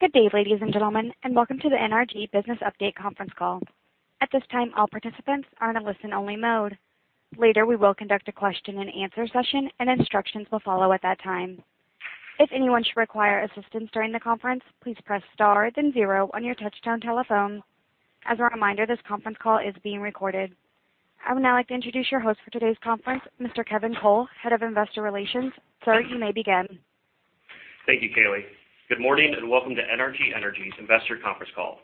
Good day, ladies and gentlemen, and welcome to the NRG Business Update Conference Call. At this time, all participants are in a listen-only mode. Later, we will conduct a question and answer session, and instructions will follow at that time. If anyone should require assistance during the conference, please press star then zero on your touchtone telephone. As a reminder, this conference call is being recorded. I would now like to introduce your host for today's conference, Mr. Kevin Cole, head of investor relations. Sir, you may begin. Thank you, Kaylee. Good morning and welcome to NRG Energy's Investor Conference Call.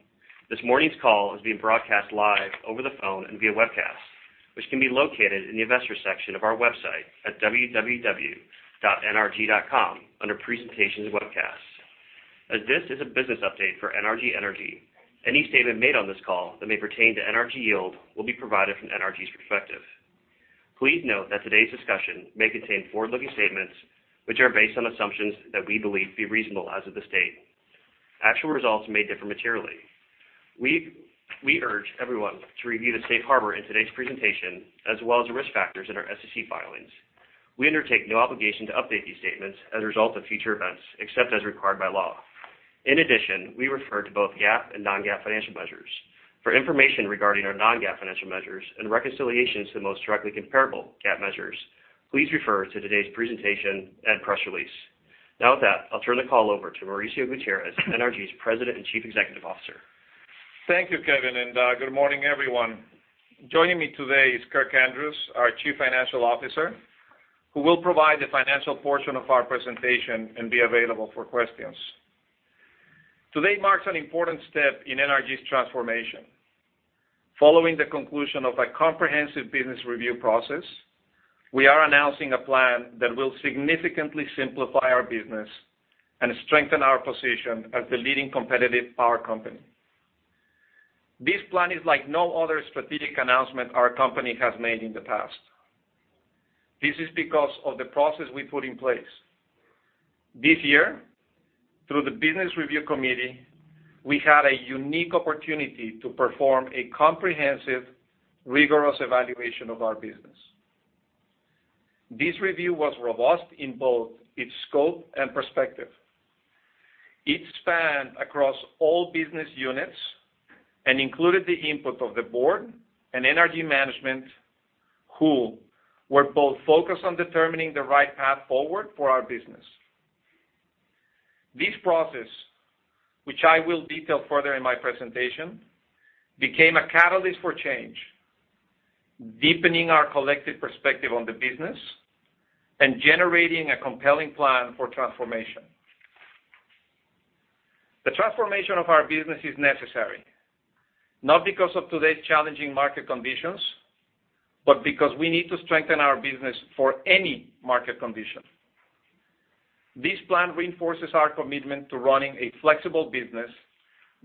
This morning's call is being broadcast live over the phone and via webcast, which can be located in the Investors section of our website at www.nrg.com, under Presentations and Webcasts. As this is a business update for NRG Energy, any statement made on this call that may pertain to NRG Yield will be provided from NRG's perspective. Please note that today's discussion may contain forward-looking statements, which are based on assumptions that we believe to be reasonable as of this date. Actual results may differ materially. We urge everyone to review the safe harbor in today's presentation, as well as the risk factors in our SEC filings. We undertake no obligation to update these statements as a result of future events, except as required by law. In addition, we refer to both GAAP and non-GAAP financial measures. For information regarding our non-GAAP financial measures and reconciliations to the most directly comparable GAAP measures, please refer to today's presentation and press release. Now with that, I'll turn the call over to Mauricio Gutierrez, NRG's President and Chief Executive Officer. Thank you, Kevin, and good morning, everyone. Joining me today is Kirk Andrews, our Chief Financial Officer, who will provide the financial portion of our presentation and be available for questions. Today marks an important step in NRG's transformation. Following the conclusion of a comprehensive business review process, we are announcing a plan that will significantly simplify our business and strengthen our position as the leading competitive power company. This plan is like no other strategic announcement our company has made in the past. This is because of the process we put in place. This year, through the Business Review Committee, we had a unique opportunity to perform a comprehensive, rigorous evaluation of our business. This review was robust in both its scope and perspective. It spanned across all business units and included the input of the board and NRG management, who were both focused on determining the right path forward for our business. This process, which I will detail further in my presentation, became a catalyst for change, deepening our collective perspective on the business and generating a compelling plan for transformation. The transformation of our business is necessary, not because of today's challenging market conditions, but because we need to strengthen our business for any market condition. This plan reinforces our commitment to running a flexible business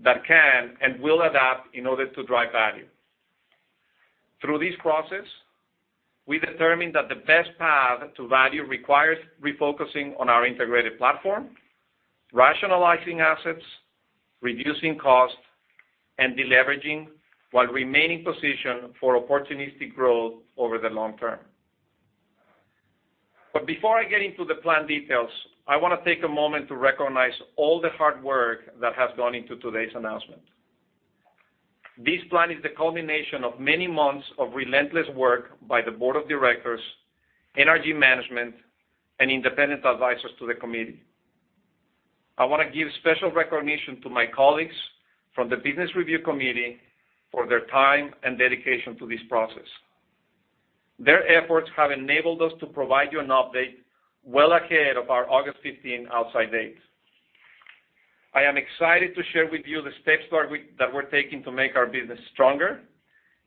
that can and will adapt in order to drive value. Through this process, we determined that the best path to value requires refocusing on our integrated platform, rationalizing assets, reducing costs, and deleveraging, while remaining positioned for opportunistic growth over the long term. Before I get into the plan details, I want to take a moment to recognize all the hard work that has gone into today's announcement. This plan is the culmination of many months of relentless work by the Board of Directors, NRG management, and independent advisors to the committee. I want to give special recognition to my colleagues from the Business Review Committee for their time and dedication to this process. Their efforts have enabled us to provide you an update well ahead of our August 15 outside date. I am excited to share with you the steps that we're taking to make our business stronger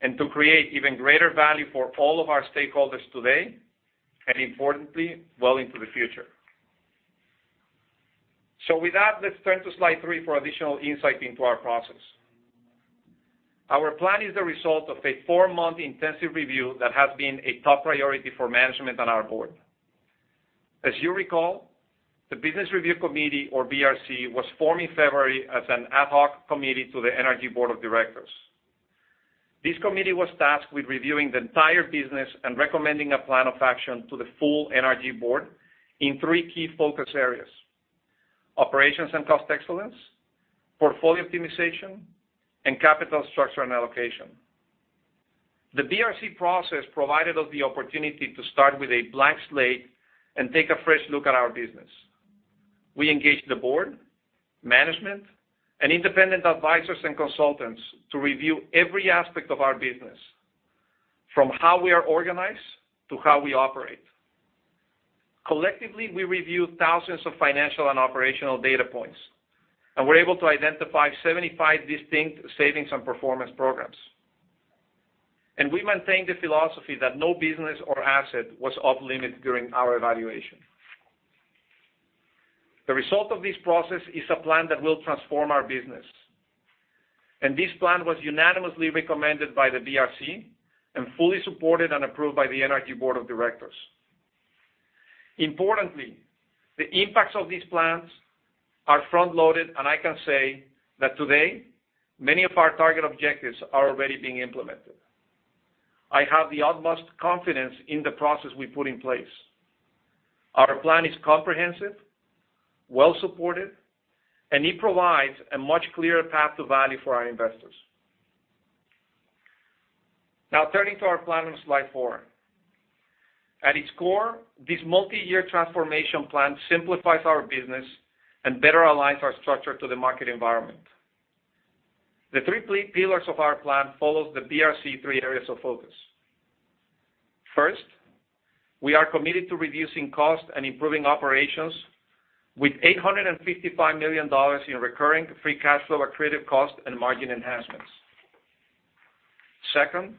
and to create even greater value for all of our stakeholders today, and importantly, well into the future. With that, let's turn to slide three for additional insight into our process. Our plan is the result of a four-month intensive review that has been a top priority for management and our Board. As you recall, the Business Review Committee, or BRC, was formed in February as an ad hoc committee to the NRG Board of Directors. This committee was tasked with reviewing the entire business and recommending a plan of action to the full NRG Board in three key focus areas: operations and cost excellence, portfolio optimization, and capital structure and allocation. The BRC process provided us the opportunity to start with a blank slate and take a fresh look at our business. We engaged the Board, management, and independent advisors and consultants to review every aspect of our business, from how we are organized to how we operate. Collectively, we reviewed thousands of financial and operational data points, and were able to identify 75 distinct savings and performance programs. We maintained the philosophy that no business or asset was off-limits during our evaluation. The result of this process is a plan that will transform our business, and this plan was unanimously recommended by the BRC and fully supported and approved by the NRG Board of Directors. Importantly, the impacts of these plans are front-loaded, and I can say that today, many of our target objectives are already being implemented. I have the utmost confidence in the process we put in place. Our plan is comprehensive, well-supported, and it provides a much clearer path to value for our investors. Turning to our plan on slide four. At its core, this multi-year transformation plan simplifies our business and better aligns our structure to the market environment. The three pillars of our plan follows the BRC three areas of focus. First, we are committed to reducing costs and improving operations with $855 million in recurring free cash flow accretive cost and margin enhancements. Second,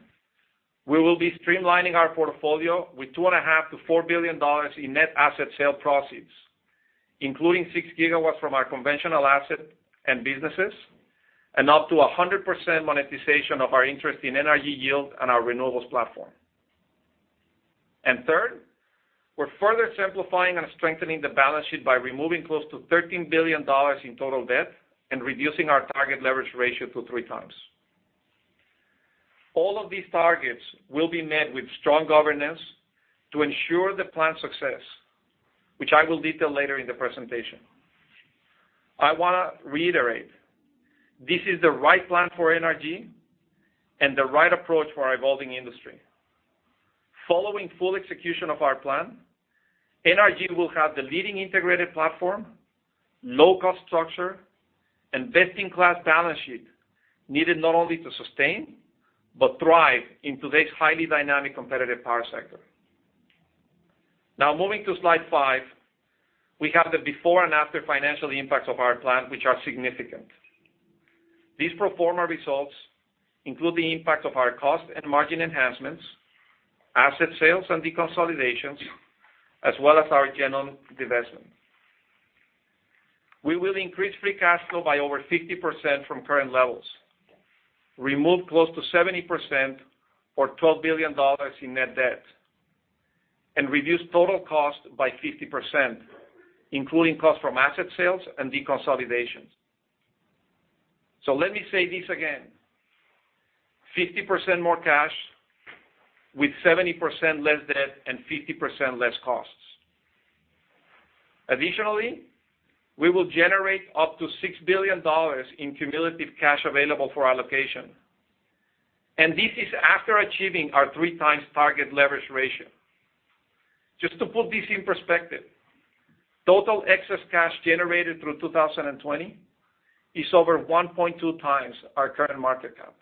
we will be streamlining our portfolio with $2.5 billion-$4 billion in net asset sale proceeds, including 6 gigawatts from our conventional asset and businesses, and up to 100% monetization of our interest in NRG Yield and our renewables platform. Third, we're further simplifying and strengthening the balance sheet by removing close to $13 billion in total debt and reducing our target leverage ratio to three times. All of these targets will be met with strong governance to ensure the plan's success, which I will detail later in the presentation. I want to reiterate, this is the right plan for NRG and the right approach for our evolving industry. Following full execution of our plan, NRG will have the leading integrated platform, low-cost structure, and best-in-class balance sheet needed not only to sustain but thrive in today's highly dynamic, competitive power sector. Moving to slide five, we have the before and after financial impacts of our plan, which are significant. These pro forma results include the impact of our cost and margin enhancements, asset sales and deconsolidations, as well as our general divestment. We will increase free cash flow by over 50% from current levels, remove close to 70% or $12 billion in net debt, and reduce total cost by 50%, including costs from asset sales and deconsolidations. Let me say this again. 50% more cash with 70% less debt and 50% less costs. Additionally, we will generate up to $6 billion in cumulative cash available for allocation, and this is after achieving our three times target leverage ratio. Just to put this in perspective, total excess cash generated through 2020 is over 1.2 times our current market cap.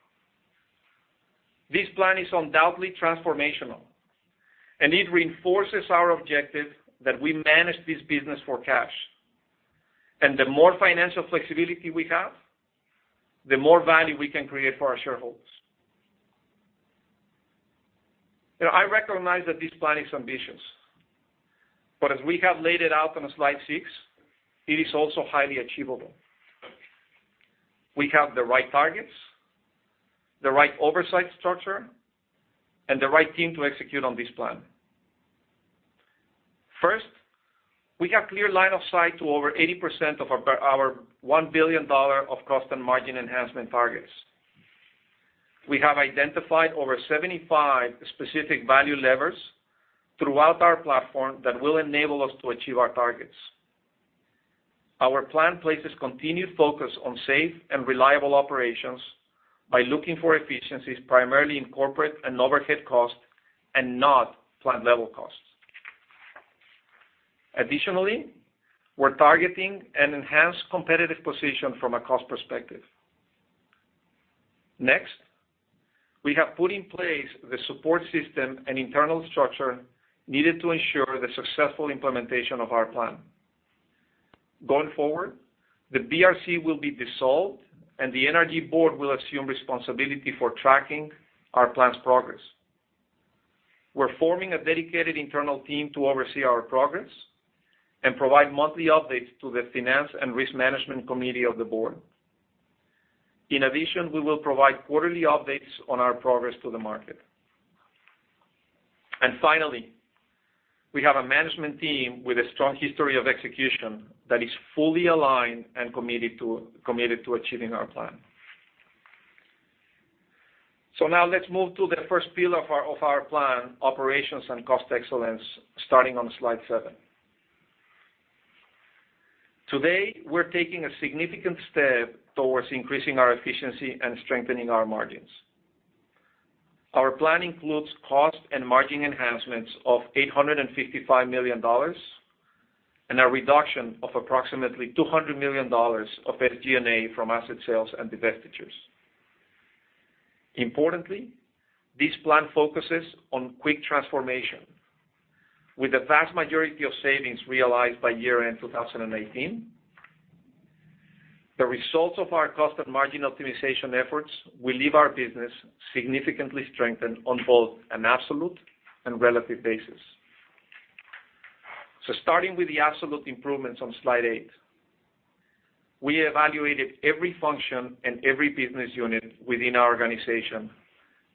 This plan is undoubtedly transformational, and it reinforces our objective that we manage this business for cash, and the more financial flexibility we have, the more value we can create for our shareholders. I recognize that this plan is ambitious, but as we have laid it out on slide six, it is also highly achievable. We have the right targets, the right oversight structure, and the right team to execute on this plan. First, we have clear line of sight to over 80% of our $1 billion of cost and margin enhancement targets. We have identified over 75 specific value levers throughout our platform that will enable us to achieve our targets. Our plan places continued focus on safe and reliable operations by looking for efficiencies primarily in corporate and overhead costs and not plant level costs. Additionally, we're targeting an enhanced competitive position from a cost perspective. Next, we have put in place the support system and internal structure needed to ensure the successful implementation of our plan. Going forward, the BRC will be dissolved, and the NRG Board will assume responsibility for tracking our plan's progress. We're forming a dedicated internal team to oversee our progress and provide monthly updates to the Finance and Risk Management Committee of the board. In addition, we will provide quarterly updates on our progress to the market. We have a management team with a strong history of execution that is fully aligned and committed to achieving our plan. Now let's move to the first pillar of our plan, operations and cost excellence, starting on slide seven. Today, we're taking a significant step towards increasing our efficiency and strengthening our margins. Our plan includes cost and margin enhancements of $855 million and a reduction of approximately $200 million of SG&A from asset sales and divestitures. Importantly, this plan focuses on quick transformation. With the vast majority of savings realized by year-end 2018, the results of our cost and margin optimization efforts will leave our business significantly strengthened on both an absolute and relative basis. Starting with the absolute improvements on slide eight, we evaluated every function and every business unit within our organization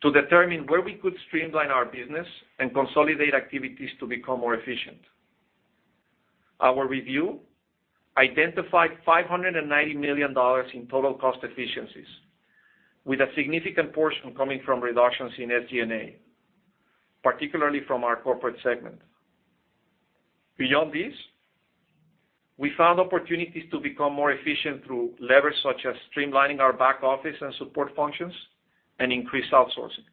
to determine where we could streamline our business and consolidate activities to become more efficient. Our review identified $590 million in total cost efficiencies, with a significant portion coming from reductions in SG&A, particularly from our corporate segment. Beyond this, we found opportunities to become more efficient through levers such as streamlining our back office and support functions and increased outsourcing.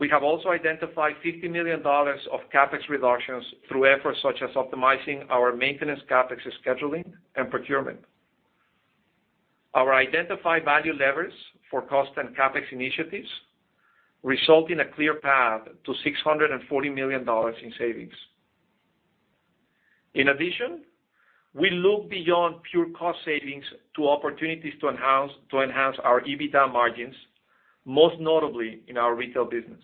We have also identified $50 million of CapEx reductions through efforts such as optimizing our maintenance CapEx scheduling and procurement. Our identified value levers for cost and CapEx initiatives result in a clear path to $640 million in savings. In addition, we look beyond pure cost savings to opportunities to enhance our EBITDA margins, most notably in our retail business.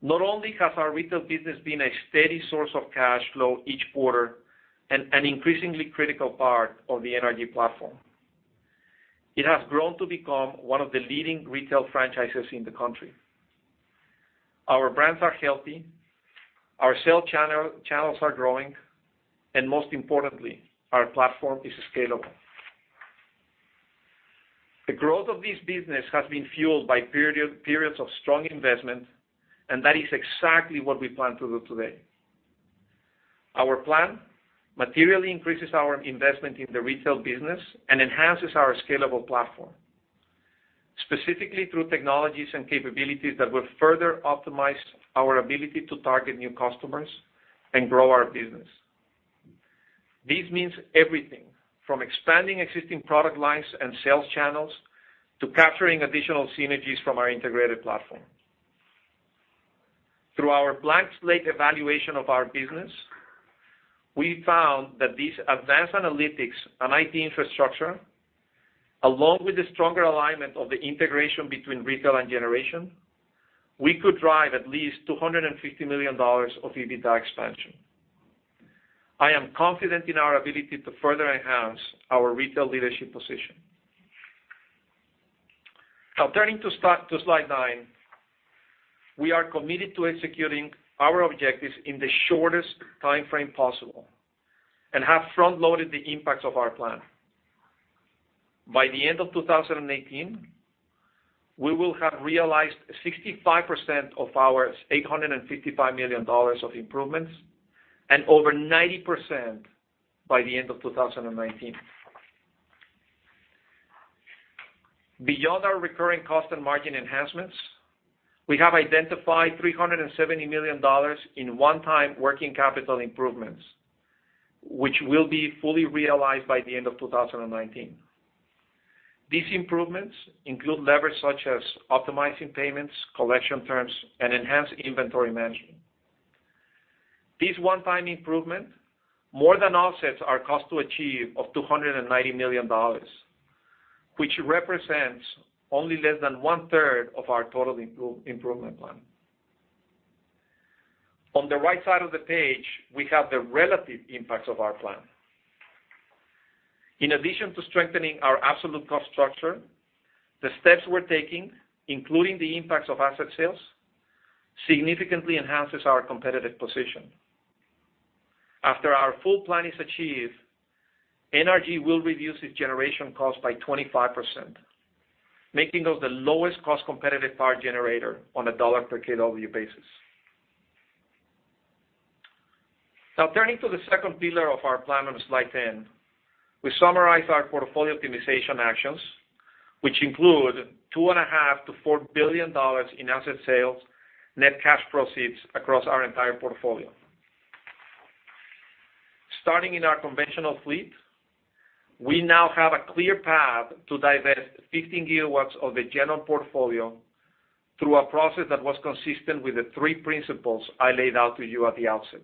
Not only has our retail business been a steady source of cash flow each quarter and an increasingly critical part of the NRG platform, it has grown to become one of the leading retail franchises in the country. Our brands are healthy, our sales channels are growing, and most importantly, our platform is scalable. The growth of this business has been fueled by periods of strong investment, and that is exactly what we plan to do today. Our plan materially increases our investment in the retail business and enhances our scalable platform, specifically through technologies and capabilities that will further optimize our ability to target new customers and grow our business. This means everything from expanding existing product lines and sales channels to capturing additional synergies from our integrated platform. Through our blank slate evaluation of our business, we found that these advanced analytics and IT infrastructure, along with the stronger alignment of the integration between retail and generation, we could drive at least $250 million of EBITDA expansion. I am confident in our ability to further enhance our retail leadership position. Turning to slide nine. We are committed to executing our objectives in the shortest timeframe possible and have front-loaded the impacts of our plan. By the end of 2018, we will have realized 65% of our $855 million of improvements, and over 90% by the end of 2019. Beyond our recurring cost and margin enhancements, we have identified $370 million in one-time working capital improvements, which will be fully realized by the end of 2019. These improvements include levers such as optimizing payments, collection terms, and enhanced inventory management. This one-time improvement more than offsets our cost to achieve of $290 million, which represents only less than one-third of our total improvement plan. On the right side of the page, we have the relative impacts of our plan. In addition to strengthening our absolute cost structure, the steps we're taking, including the impacts of asset sales, significantly enhances our competitive position. After our full plan is achieved, NRG will reduce its generation cost by 25%, making us the lowest cost competitive power generator on a dollar per kW basis. Turning to the second pillar of our plan on slide 10, we summarize our portfolio optimization actions, which include $2.5 billion to $4 billion in asset sales, net cash proceeds across our entire portfolio. Starting in our conventional fleet, we now have a clear path to divest 15 gigawatts of the GenOn portfolio through a process that was consistent with the three principles I laid out to you at the outset.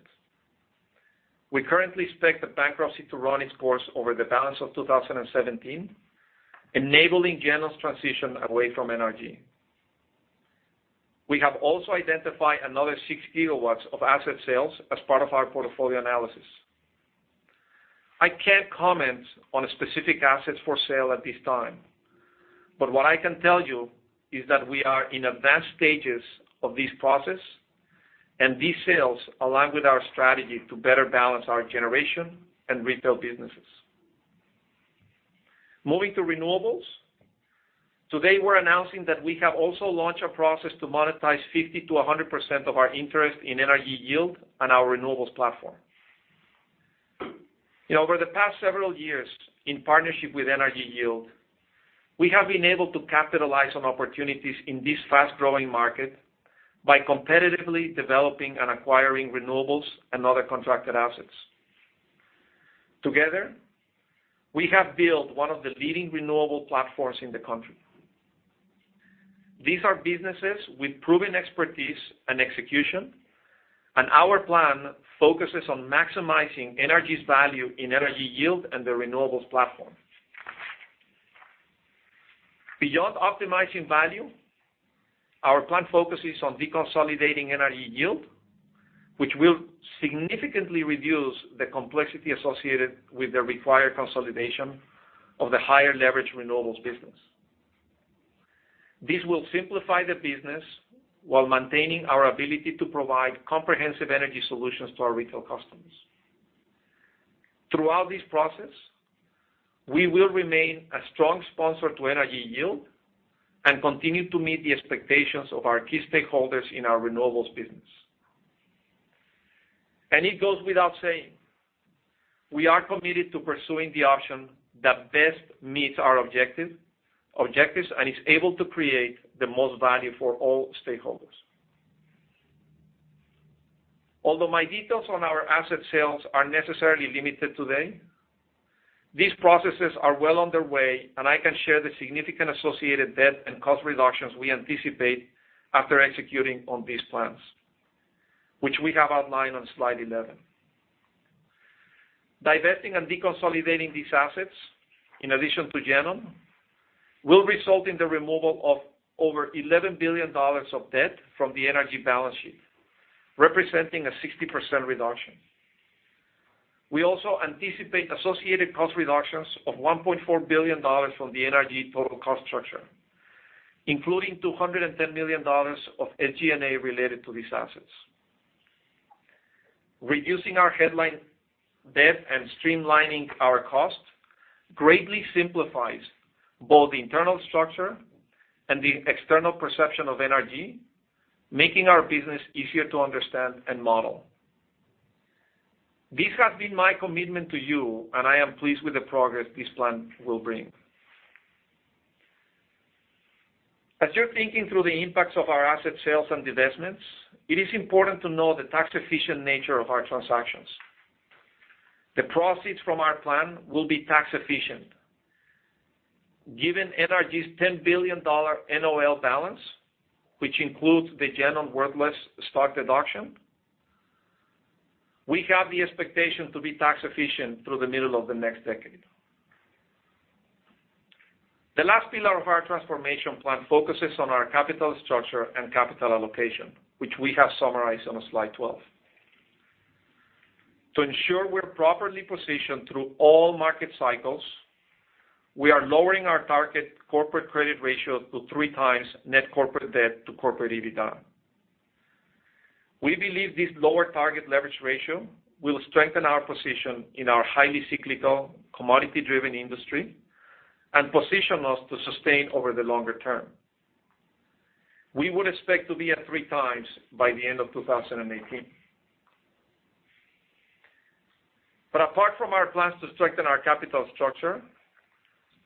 We currently expect the bankruptcy to run its course over the balance of 2017, enabling GenOn's transition away from NRG. We have also identified another six gigawatts of asset sales as part of our portfolio analysis. I can't comment on specific assets for sale at this time. What I can tell you is that we are in advanced stages of this process, and these sales align with our strategy to better balance our generation and retail businesses. Moving to renewables, today, we're announcing that we have also launched a process to monetize 50%-100% of our interest in NRG Yield and our renewables platform. Over the past several years, in partnership with NRG Yield, we have been able to capitalize on opportunities in this fast-growing market by competitively developing and acquiring renewables and other contracted assets. Together, we have built one of the leading renewable platforms in the country. These are businesses with proven expertise and execution, and our plan focuses on maximizing NRG's value in NRG Yield and the renewables platform. Beyond optimizing value, our plan focuses on deconsolidating NRG Yield, which will significantly reduce the complexity associated with the required consolidation of the higher leverage renewables business. This will simplify the business while maintaining our ability to provide comprehensive energy solutions to our retail customers. Throughout this process, we will remain a strong sponsor to NRG Yield and continue to meet the expectations of our key stakeholders in our renewables business. It goes without saying, we are committed to pursuing the option that best meets our objectives and is able to create the most value for all stakeholders. Although my details on our asset sales are necessarily limited today, these processes are well underway, and I can share the significant associated debt and cost reductions we anticipate after executing on these plans, which we have outlined on slide 11. Divesting and deconsolidating these assets, in addition to GenOn, will result in the removal of over $11 billion of debt from the NRG balance sheet, representing a 60% reduction. We also anticipate associated cost reductions of $1.4 billion from the NRG total cost structure, including $210 million of SG&A related to these assets. Reducing our headline debt and streamlining our cost greatly simplifies both the internal structure and the external perception of NRG, making our business easier to understand and model. This has been my commitment to you. I am pleased with the progress this plan will bring. As you're thinking through the impacts of our asset sales and divestments, it is important to know the tax-efficient nature of our transactions. The proceeds from our plan will be tax-efficient. Given NRG's $10 billion NOL balance, which includes the GenOn worthless stock deduction, we have the expectation to be tax-efficient through the middle of the next decade. The last pillar of our transformation plan focuses on our capital structure and capital allocation, which we have summarized on slide 12. To ensure we're properly positioned through all market cycles, we are lowering our target corporate credit ratio to 3 times net corporate debt to corporate EBITDA. We believe this lower target leverage ratio will strengthen our position in our highly cyclical, commodity-driven industry and position us to sustain over the longer term. We would expect to be at 3 times by the end of 2018. Apart from our plans to strengthen our capital structure,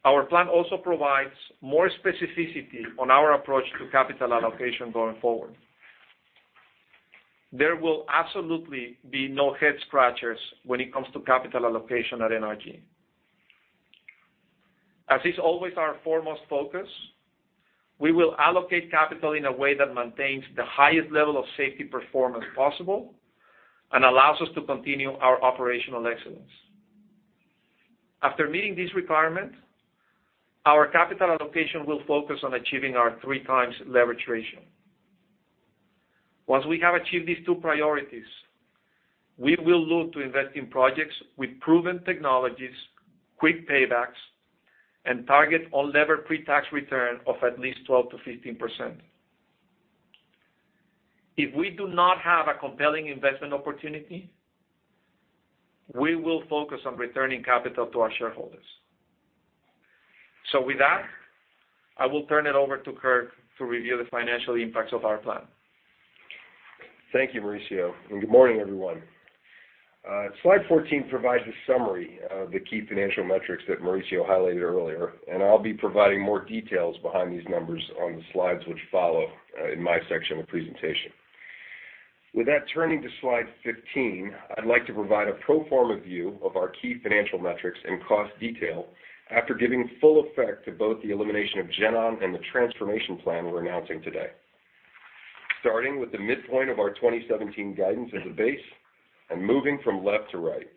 our plan also provides more specificity on our approach to capital allocation going forward. There will absolutely be no head scratchers when it comes to capital allocation at NRG. As is always our foremost focus, we will allocate capital in a way that maintains the highest level of safety performance possible and allows us to continue our operational excellence. After meeting this requirement, our capital allocation will focus on achieving our 3 times leverage ratio. Once we have achieved these two priorities, we will look to invest in projects with proven technologies, quick paybacks, and target unlevered pre-tax return of at least 12%-15%. If we do not have a compelling investment opportunity, we will focus on returning capital to our shareholders. With that, I will turn it over to Kirk to review the financial impacts of our plan. Thank you, Mauricio. Good morning, everyone. Slide 14 provides a summary of the key financial metrics that Mauricio highlighted earlier. I'll be providing more details behind these numbers on the slides which follow in my section of the presentation. With that, turning to slide 15, I'd like to provide a pro forma view of our key financial metrics and cost detail after giving full effect to both the elimination of GenOn and the transformation plan we're announcing today. Starting with the midpoint of our 2017 guidance as a base and moving from left to right,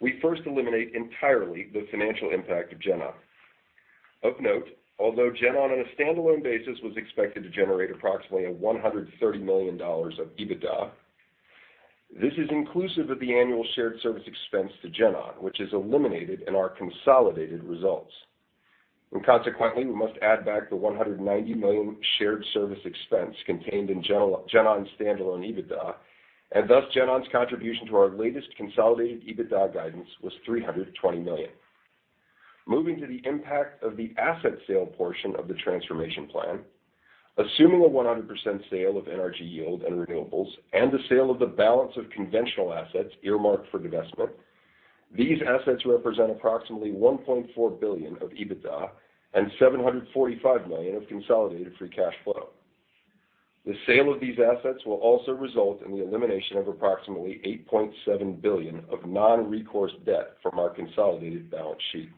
we first eliminate entirely the financial impact of GenOn. Of note, although GenOn on a standalone basis was expected to generate approximately $130 million of EBITDA, this is inclusive of the annual shared service expense to GenOn, which is eliminated in our consolidated results. Consequently, we must add back the $190 million shared service expense contained in GenOn's standalone EBITDA, and thus GenOn's contribution to our latest consolidated EBITDA guidance was $320 million. Moving to the impact of the asset sale portion of the transformation plan, assuming a 100% sale of NRG Yield and renewables and the sale of the balance of conventional assets earmarked for divestment, these assets represent approximately $1.4 billion of EBITDA and $745 million of consolidated free cash flow. The sale of these assets will also result in the elimination of approximately $8.7 billion of non-recourse debt from our consolidated balance sheet.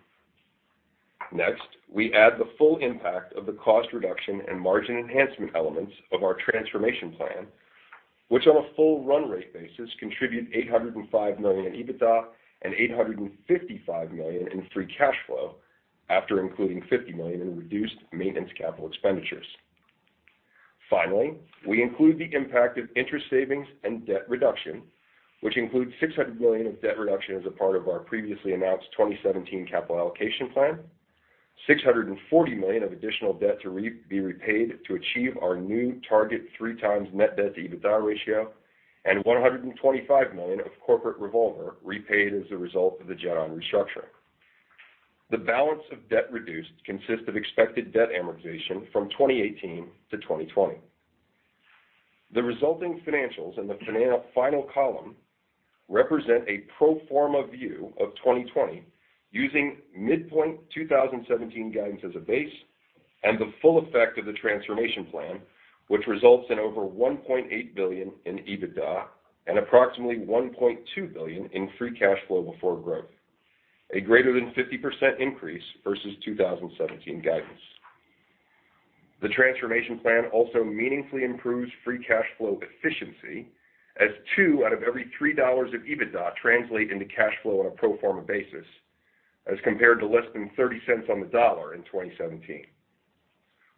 Next, we add the full impact of the cost reduction and margin enhancement elements of our transformation plan, which on a full run rate basis contribute $805 million in EBITDA and $855 million in free cash flow after including $50 million in reduced maintenance Capital Expenditures. Finally, we include the impact of interest savings and debt reduction, which includes $600 million of debt reduction as a part of our previously announced 2017 capital allocation plan, $640 million of additional debt to be repaid to achieve our new target 3x net debt to EBITDA ratio, and $125 million of corporate revolver repaid as a result of the GenOn restructuring. The balance of debt reduced consists of expected debt amortization from 2018 to 2020. The resulting financials in the final column represent a pro forma view of 2020, using midpoint 2017 guidance as a base and the full effect of the transformation plan, which results in over $1.8 billion in EBITDA and approximately $1.2 billion in free cash flow before growth, a greater than 50% increase versus 2017 guidance. The transformation plan also meaningfully improves free cash flow efficiency, as 2 out of every 3 dollars of EBITDA translate into cash flow on a pro forma basis, as compared to less than $0.30 on the dollar in 2017.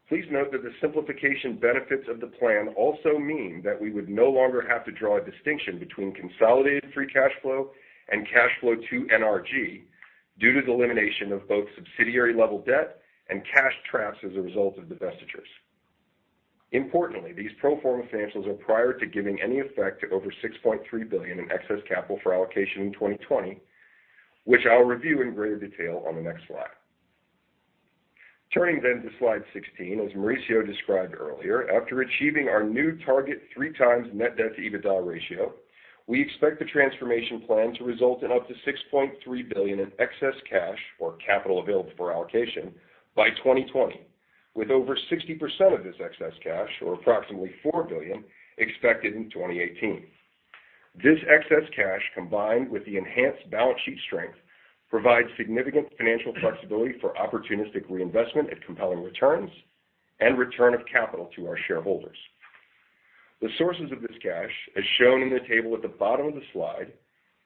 Please note that the simplification benefits of the plan also mean that we would no longer have to draw a distinction between consolidated free cash flow and cash flow to NRG, due to the elimination of both subsidiary-level debt and cash traps as a result of divestitures. Importantly, these pro forma financials are prior to giving any effect to over $6.3 billion in excess capital for allocation in 2020, which I'll review in greater detail on the next slide. Turning to slide 16, as Mauricio described earlier, after achieving our new target 3x net debt to EBITDA ratio, we expect the transformation plan to result in up to $6.3 billion in excess cash or capital available for allocation by 2020, with over 60% of this excess cash, or approximately $4 billion, expected in 2018. This excess cash, combined with the enhanced balance sheet strength, provides significant financial flexibility for opportunistic reinvestment at compelling returns and return of capital to our shareholders. The sources of this cash, as shown in the table at the bottom of the slide,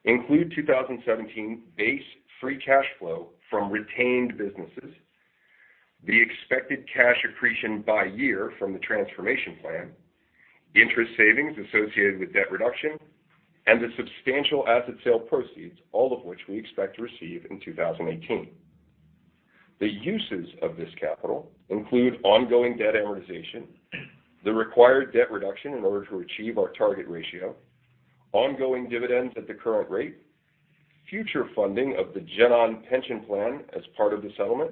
include 2017 base free cash flow from retained businesses, the expected cash accretion by year from the transformation plan, the interest savings associated with debt reduction, and the substantial asset sale proceeds, all of which we expect to receive in 2018. The uses of this capital include ongoing debt amortization, the required debt reduction in order to achieve our target ratio, ongoing dividends at the current rate, future funding of the GenOn pension plan as part of the settlement,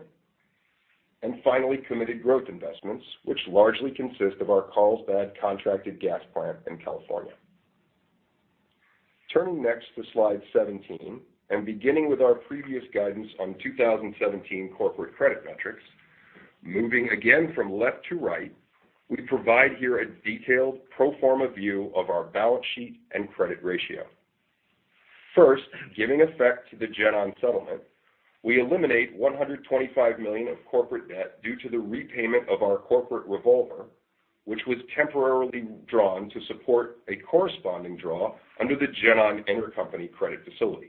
and finally, committed growth investments, which largely consist of our Carlsbad contracted gas plant in California. Turning next to slide 17, beginning with our previous guidance on 2017 corporate credit metrics, moving again from left to right, we provide here a detailed pro forma view of our balance sheet and credit ratio. First, giving effect to the GenOn settlement, we eliminate $125 million of corporate debt due to the repayment of our corporate revolver, which was temporarily drawn to support a corresponding draw under the GenOn intercompany credit facility.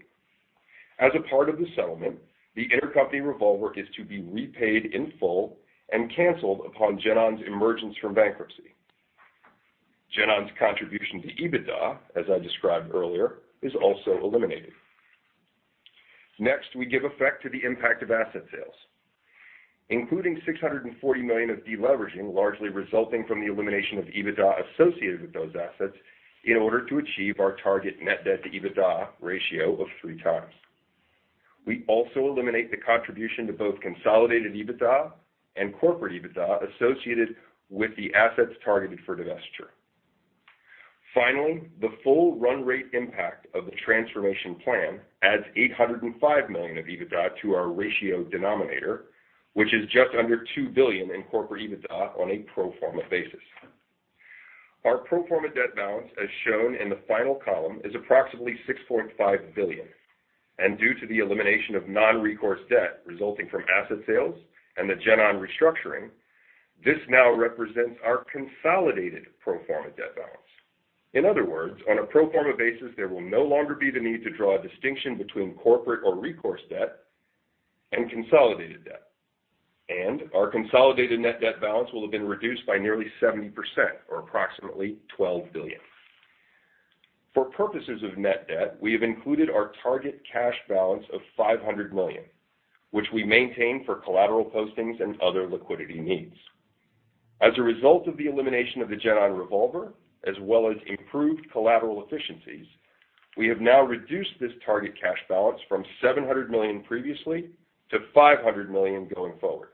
As a part of the settlement, the intercompany revolver is to be repaid in full and canceled upon GenOn's emergence from bankruptcy. GenOn's contribution to EBITDA, as I described earlier, is also eliminated. Next, we give effect to the impact of asset sales, including $640 million of de-leveraging, largely resulting from the elimination of EBITDA associated with those assets, in order to achieve our target net debt to EBITDA ratio of three times. We also eliminate the contribution to both consolidated EBITDA and corporate EBITDA associated with the assets targeted for divestiture. Finally, the full run rate impact of the transformation plan adds $805 million of EBITDA to our ratio denominator, which is just under $2 billion in corporate EBITDA on a pro forma basis. Our pro forma debt balance, as shown in the final column, is approximately $6.5 billion. Due to the elimination of non-recourse debt resulting from asset sales and the GenOn restructuring, this now represents our consolidated pro forma debt balance. In other words, on a pro forma basis, there will no longer be the need to draw a distinction between corporate or recourse debt and consolidated debt. Our consolidated net debt balance will have been reduced by nearly 70%, or approximately $12 billion. For purposes of net debt, we have included our target cash balance of $500 million, which we maintain for collateral postings and other liquidity needs. As a result of the elimination of the GenOn revolver, as well as improved collateral efficiencies, we have now reduced this target cash balance from $700 million previously to $500 million going forward.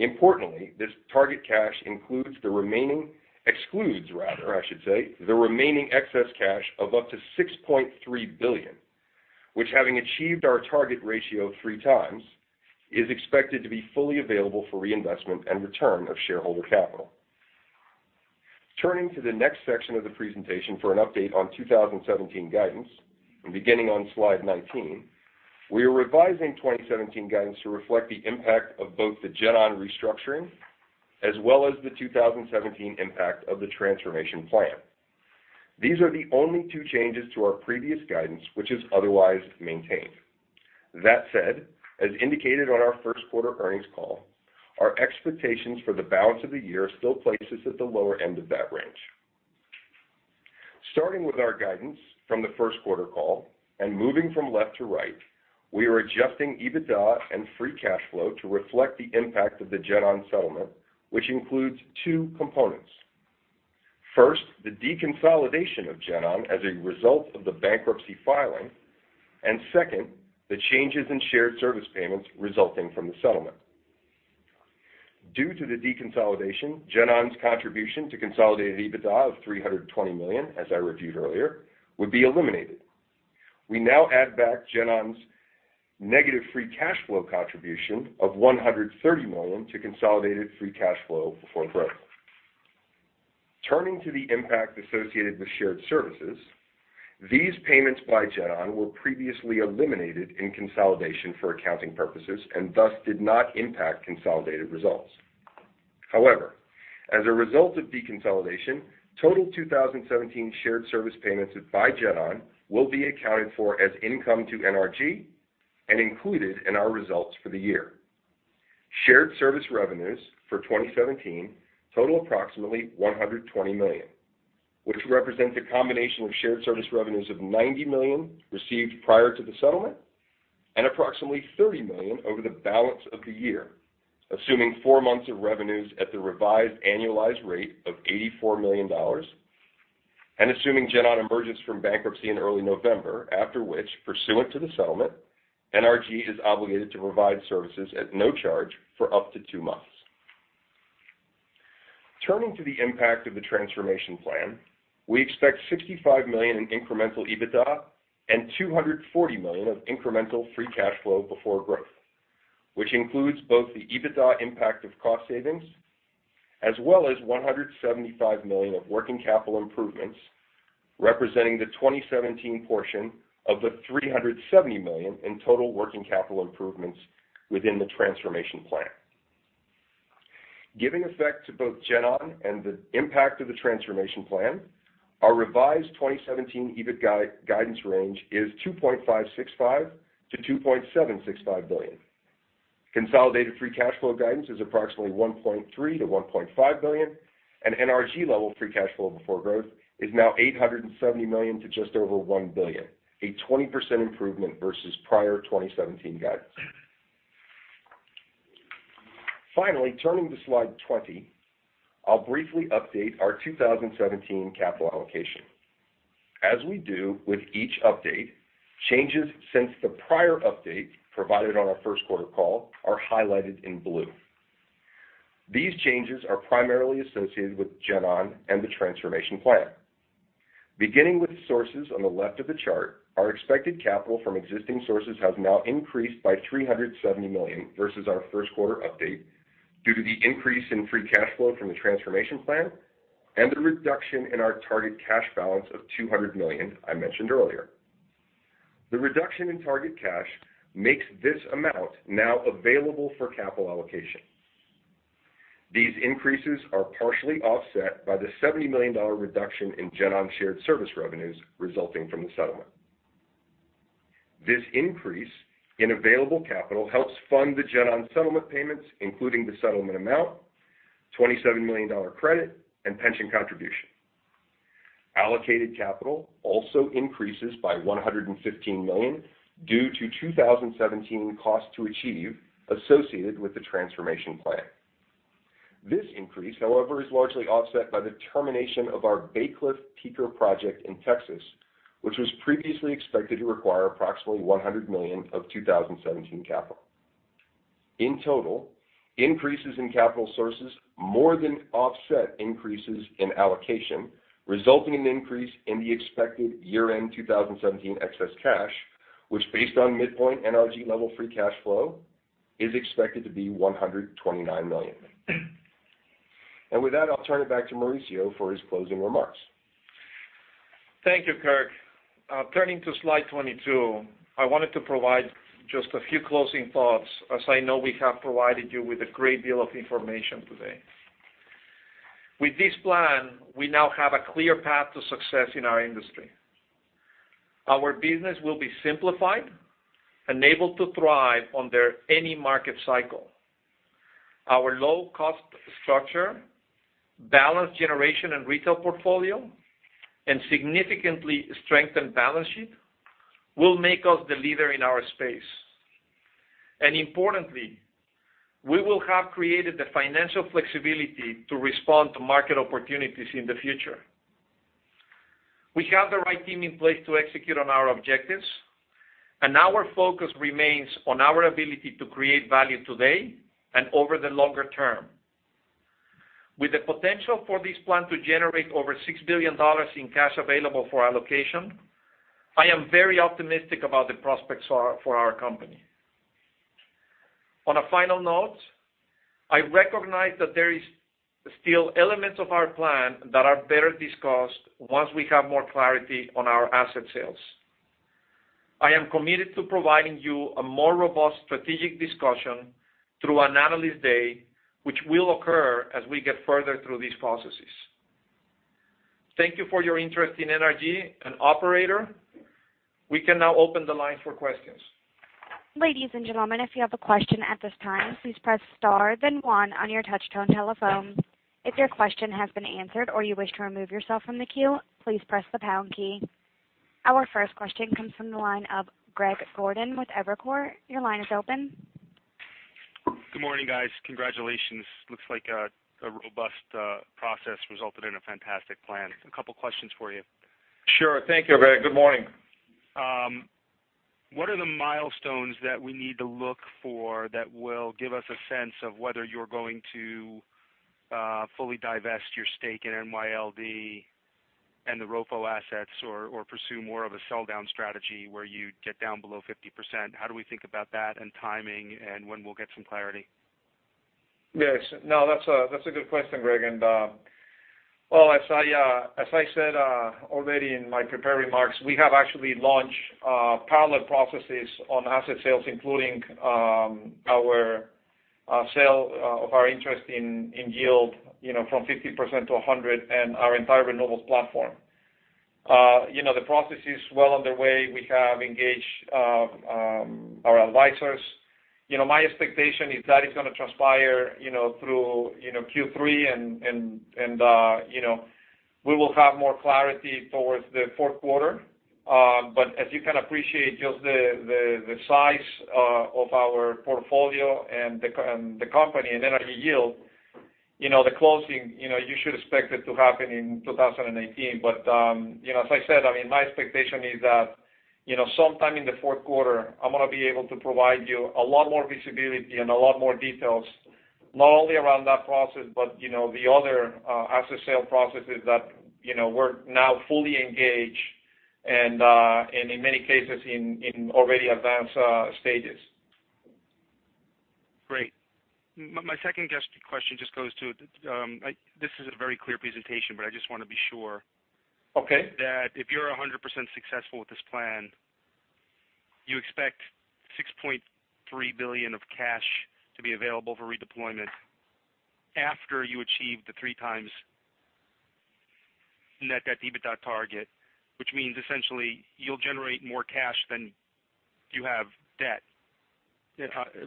Importantly, this target cash excludes the remaining excess cash of up to $6.3 billion, which, having achieved our target ratio three times, is expected to be fully available for reinvestment and return of shareholder capital. Turning to the next section of the presentation for an update on 2017 guidance, beginning on slide 19, we are revising 2017 guidance to reflect the impact of both the GenOn restructuring as well as the 2017 impact of the transformation plan. These are the only two changes to our previous guidance, which is otherwise maintained. That said, as indicated on our first quarter earnings call, our expectations for the balance of the year still place us at the lower end of that range. Starting with our guidance from the first quarter call, moving from left to right, we are adjusting EBITDA and free cash flow to reflect the impact of the GenOn settlement, which includes two components. First, the deconsolidation of GenOn as a result of the bankruptcy filing. Second, the changes in shared service payments resulting from the settlement. Due to the deconsolidation, GenOn's contribution to consolidated EBITDA of $320 million, as I reviewed earlier, would be eliminated. We now add back GenOn's negative free cash flow contribution of $130 million to consolidated free cash flow before growth. Turning to the impact associated with shared services, these payments by GenOn were previously eliminated in consolidation for accounting purposes, and thus did not impact consolidated results. However, as a result of deconsolidation, total 2017 shared service payments by GenOn will be accounted for as income to NRG and included in our results for the year. Shared service revenues for 2017 total approximately $120 million, which represents a combination of shared service revenues of $90 million received prior to the settlement, and approximately $30 million over the balance of the year, assuming four months of revenues at the revised annualized rate of $84 million, and assuming GenOn emerges from bankruptcy in early November. After which, pursuant to the settlement, NRG is obligated to provide services at no charge for up to two months. Turning to the impact of the transformation plan, we expect $65 million in incremental EBITDA and $240 million of incremental free cash flow before growth, which includes both the EBITDA impact of cost savings, as well as $175 million of working capital improvements, representing the 2017 portion of the $370 million in total working capital improvements within the transformation plan. Giving effect to both GenOn and the impact of the transformation plan, our revised 2017 EBITDA guidance range is $2.565 billion-$2.765 billion. Consolidated free cash flow guidance is approximately $1.3 billion-$1.5 billion. NRG level free cash flow before growth is now $870 million to just over $1 billion, a 20% improvement versus prior 2017 guidance. Finally, turning to slide 20, I'll briefly update our 2017 capital allocation. As we do with each update, changes since the prior update provided on our first quarter call are highlighted in blue. These changes are primarily associated with GenOn and the transformation plan. Beginning with sources on the left of the chart, our expected capital from existing sources has now increased by $370 million versus our first quarter update due to the increase in free cash flow from the transformation plan and the reduction in our target cash balance of $200 million I mentioned earlier. The reduction in target cash makes this amount now available for capital allocation. These increases are partially offset by the $70 million reduction in GenOn shared service revenues resulting from the settlement. This increase in available capital helps fund the GenOn settlement payments, including the settlement amount, $27 million credit, and pension contribution. Allocated capital also increases by $115 million due to 2017 cost to achieve associated with the transformation plan. This increase, however, is largely offset by the termination of our Bacliff peaker project in Texas, which was previously expected to require approximately $100 million of 2017 capital. In total, increases in capital sources more than offset increases in allocation, resulting in an increase in the expected year-end 2017 excess cash, which, based on midpoint NRG level free cash flow, is expected to be $129 million. With that, I'll turn it back to Mauricio for his closing remarks. Thank you, Kirk. Turning to slide 22, I wanted to provide just a few closing thoughts, as I know we have provided you with a great deal of information today. With this plan, we now have a clear path to success in our industry. Our business will be simplified and able to thrive under any market cycle. Our low-cost structure, balanced generation and retail portfolio, and significantly strengthened balance sheet will make us the leader in our space. Importantly, we will have created the financial flexibility to respond to market opportunities in the future. We have the right team in place to execute on our objectives, and our focus remains on our ability to create value today and over the longer term. With the potential for this plan to generate over $6 billion in cash available for allocation, I am very optimistic about the prospects for our company. On a final note, I recognize that there is still elements of our plan that are better discussed once we have more clarity on our asset sales. I am committed to providing you a more robust strategic discussion through an analyst day, which will occur as we get further through these processes. Thank you for your interest in NRG. Operator, we can now open the line for questions. Ladies and gentlemen, if you have a question at this time, please press star then one on your touch-tone telephone. If your question has been answered or you wish to remove yourself from the queue, please press the pound key. Our first question comes from the line of Greg Gordon with Evercore. Your line is open. Good morning, guys. Congratulations. Looks like a robust process resulted in a fantastic plan. A couple questions for you. Sure. Thank you, Greg. Good morning. What are the milestones that we need to look for that will give us a sense of whether you're going to fully divest your stake in NYLD and the ROFO assets or pursue more of a sell-down strategy where you get down below 50%? How do we think about that and timing and when we'll get some clarity? Yes. No, that's a good question, Greg. As I said already in my prepared remarks, we have actually launched parallel processes on asset sales, including our sale of our interest in Yield, from 50% to 100% and our entire renewables platform. The process is well underway. We have engaged our advisors. My expectation is that it's going to transpire through Q3, and we will have more clarity towards the fourth quarter. As you can appreciate, just the size of our portfolio and the company and NRG Yield, the closing, you should expect it to happen in 2018. As I said, my expectation is that sometime in the fourth quarter, I'm going to be able to provide you a lot more visibility and a lot more details, not only around that process but the other asset sale processes that we're now fully engaged and, in many cases, in already advanced stages. Great. My second question just goes to, this is a very clear presentation. I just want to be sure. Okay that if you're 100% successful with this plan, you expect $6.3 billion of cash to be available for redeployment after you achieve the three times net debt EBITDA target, which means essentially you'll generate more cash than you have debt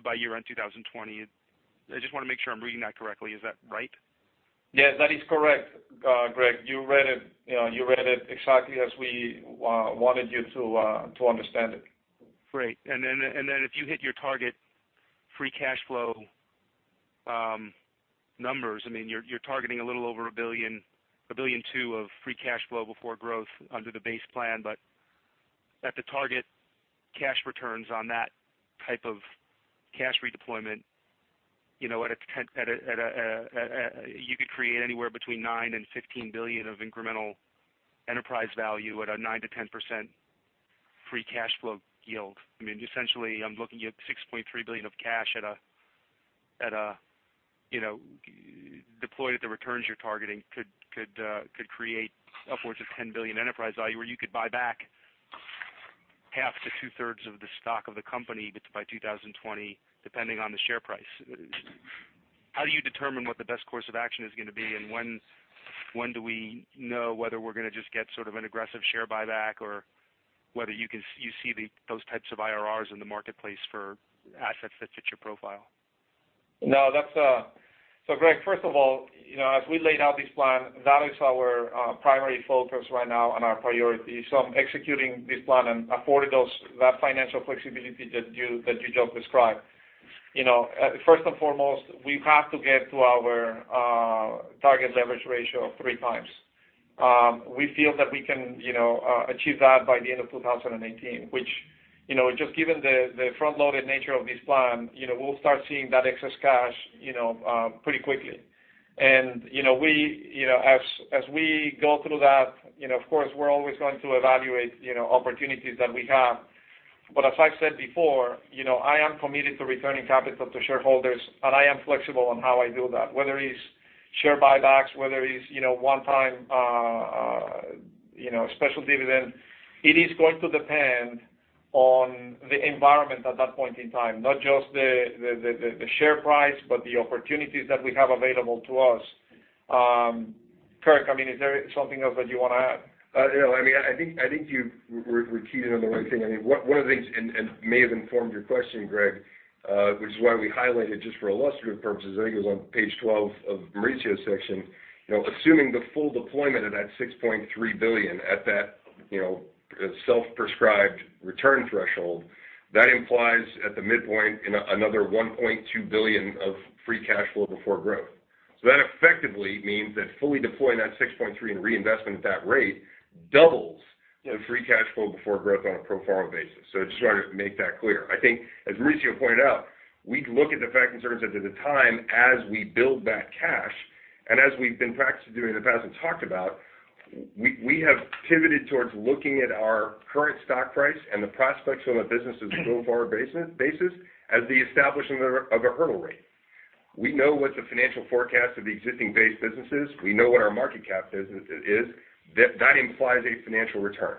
by year-end 2020. I just want to make sure I'm reading that correctly. Is that right? Yes, that is correct, Greg. You read it exactly as we wanted you to understand it. Great. If you hit your target free cash flow numbers, you're targeting a little over a billion, $1.2 billion of free cash flow before growth under the base plan. At the target cash returns on that type of cash redeployment, you could create anywhere between $9 billion and $15 billion of incremental enterprise value at a 9%-10% free cash flow yield. Essentially, I'm looking at $6.3 billion of cash deployed at the returns you're targeting could create upwards of $10 billion enterprise value, where you could buy back half to two-thirds of the stock of the company by 2020, depending on the share price. How do you determine what the best course of action is going to be, and when do we know whether we're going to just get sort of an aggressive share buyback or whether you see those types of IRRs in the marketplace for assets that fit your profile? Greg, first of all, as we laid out this plan, that is our primary focus right now and our priority. I'm executing this plan and affording that financial flexibility that you just described. First and foremost, we have to get to our target leverage ratio of three times. We feel that we can achieve that by the end of 2018, which, just given the front-loaded nature of this plan, we'll start seeing that excess cash pretty quickly. As we go through that, of course, we're always going to evaluate opportunities that we have. As I've said before, I am committed to returning capital to shareholders, and I am flexible on how I do that, whether it is share buybacks, whether it is one-time special dividend. It is going to depend on the environment at that point in time, not just the share price, but the opportunities that we have available to us. Kirk, is there something else that you want to add? No, I think you've repeated on the right thing. One of the things, and it may have informed your question, Greg, which is why we highlighted just for illustrative purposes, I think it was on page 12 of Mauricio's section. Assuming the full deployment of that $6.3 billion at that self-prescribed return threshold, that implies at the midpoint another $1.2 billion of free cash flow before growth. That effectively means that fully deploying that $6.3 in reinvestment at that rate doubles the free cash flow before growth on a pro forma basis. I just wanted to make that clear. I think as Mauricio pointed out, we look at the fact and circumstances at the time as we build that cash, and as we've been practicing doing in the past and talked about, we have pivoted towards looking at our current stock price and the prospects on the business as a go-forward basis as the establishment of a hurdle rate. We know what the financial forecast of the existing base business is. We know what our market cap is. That implies a financial return.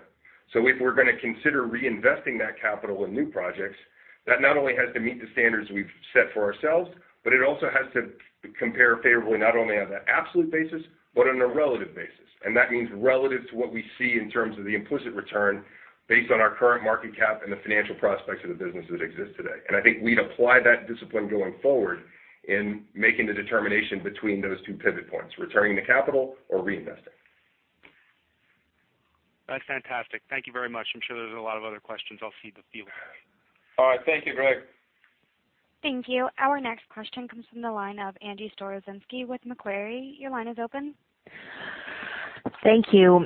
If we're going to consider reinvesting that capital in new projects, that not only has to meet the standards we've set for ourselves, but it also has to compare favorably, not only on an absolute basis, but on a relative basis. That means relative to what we see in terms of the implicit return based on our current market cap and the financial prospects of the business that exist today. I think we'd apply that discipline going forward in making the determination between those two pivot points, returning the capital or reinvesting. That's fantastic. Thank you very much. I'm sure there's a lot of other questions. I'll cede the field. All right. Thank you, Greg. Thank you. Our next question comes from the line of Angie Storozynski with Macquarie. Your line is open. Thank you.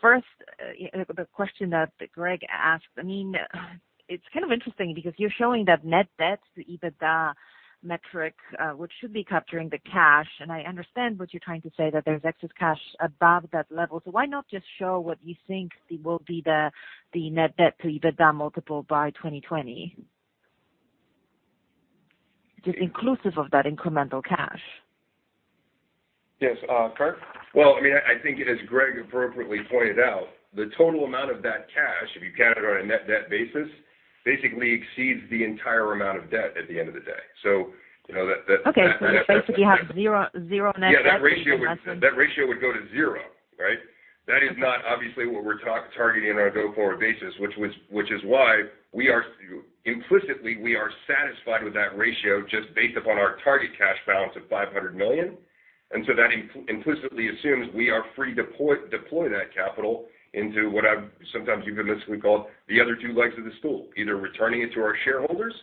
First, the question that Greg asked. It's kind of interesting because you're showing that net debt to EBITDA metric, which should be capturing the cash, and I understand what you're trying to say, that there's excess cash above that level. Why not just show what you think will be the net debt to EBITDA multiple by 2020? Just inclusive of that incremental cash. Yes. Kirk? I think as Greg appropriately pointed out, the total amount of that cash, if you count it on a net debt basis, basically exceeds the entire amount of debt at the end of the day. Okay. Basically you have zero net debt. Yeah, that ratio would go to zero, right? That is not obviously what we're targeting on a go-forward basis. Which is why implicitly we are satisfied with that ratio just based upon our target cash balance of $500 million. That implicitly assumes we are free to deploy that capital into what I've sometimes euphemistically called the other two legs of the stool, either returning it to our shareholders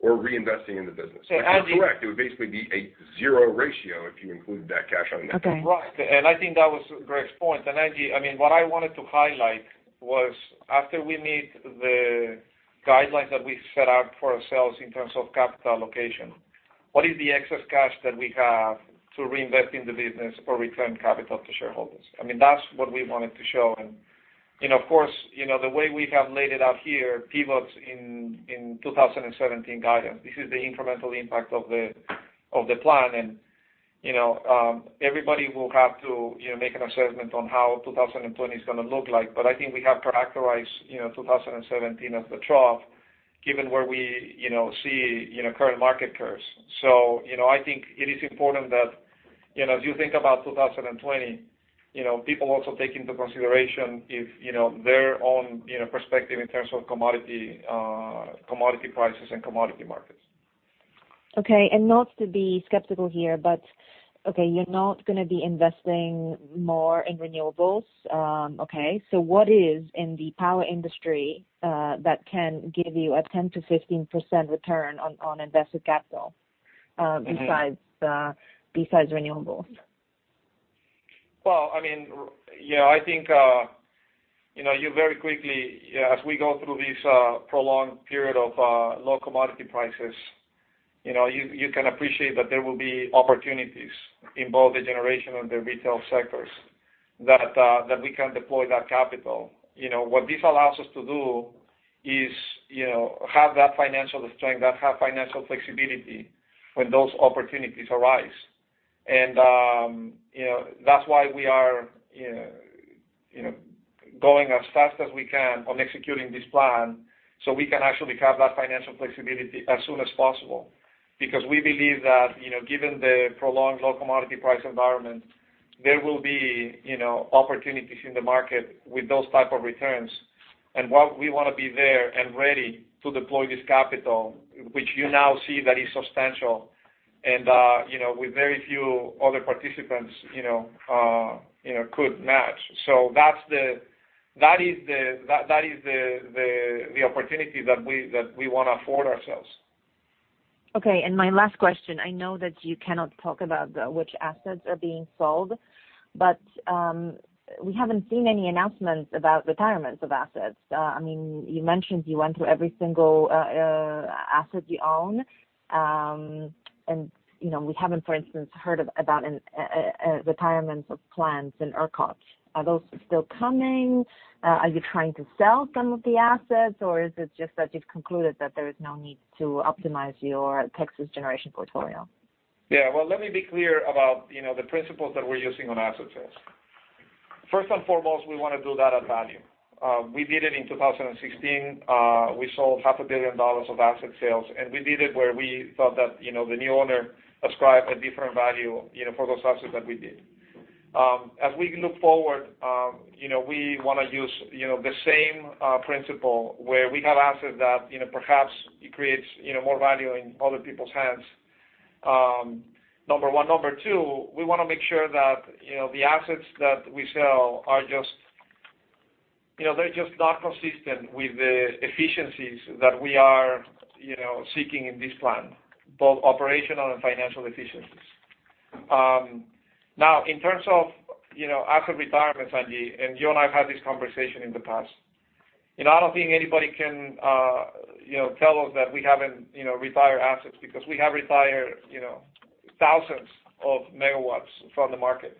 or reinvesting in the business. Angie You're correct, it would basically be a zero ratio if you include that cash on that. Okay. Right. I think that was Greg's point. Angie, what I wanted to highlight was after we meet the guidelines that we set out for ourselves in terms of capital allocation, what is the excess cash that we have to reinvest in the business or return capital to shareholders? That's what we wanted to show. Of course, the way we have laid it out here pivots in 2017 guidance. This is the incremental impact of the plan. Everybody will have to make an assessment on how 2020 is going to look like. I think we have characterized 2017 as the trough, given where we see current market curves. I think it is important that as you think about 2020, people also take into consideration their own perspective in terms of commodity prices and commodity markets. Okay. Not to be skeptical here, okay, you're not going to be investing more in renewables. Okay. What is in the power industry that can give you a 10%-15% return on invested capital besides renewables? Well, I think you very quickly, as we go through this prolonged period of low commodity prices, you can appreciate that there will be opportunities in both the generation and the retail sectors that we can deploy that capital. What this allows us to do is have that financial strength, have financial flexibility when those opportunities arise. That's why we are going as fast as we can on executing this plan so we can actually have that financial flexibility as soon as possible. We believe that given the prolonged low commodity price environment, there will be opportunities in the market with those type of returns. We want to be there and ready to deploy this capital, which you now see that is substantial and with very few other participants could match. That is the opportunity that we want to afford ourselves. Okay, my last question. I know that you cannot talk about which assets are being sold, we haven't seen any announcements about retirements of assets. You mentioned you went through every single asset you own. We haven't, for instance, heard about retirements of plants in ERCOT. Are those still coming? Are you trying to sell some of the assets, or is it just that you've concluded that there is no need to optimize your Texas generation portfolio? Yeah. Well, let me be clear about the principles that we're using on asset sales. First and foremost, we want to do that at value. We did it in 2016. We sold half a billion dollars of asset sales, and we did it where we thought that the new owner ascribed a different value for those assets than we did. As we look forward, we want to use the same principle where we have assets that perhaps it creates more value in other people's hands, number one. Number two, we want to make sure that the assets that we sell are just not consistent with the efficiencies that we are seeking in this plan, both operational and financial efficiencies. Now, in terms of asset retirements, Angie, you and I have had this conversation in the past. I don't think anybody can tell us that we haven't retired assets because we have retired thousands of megawatts from the market.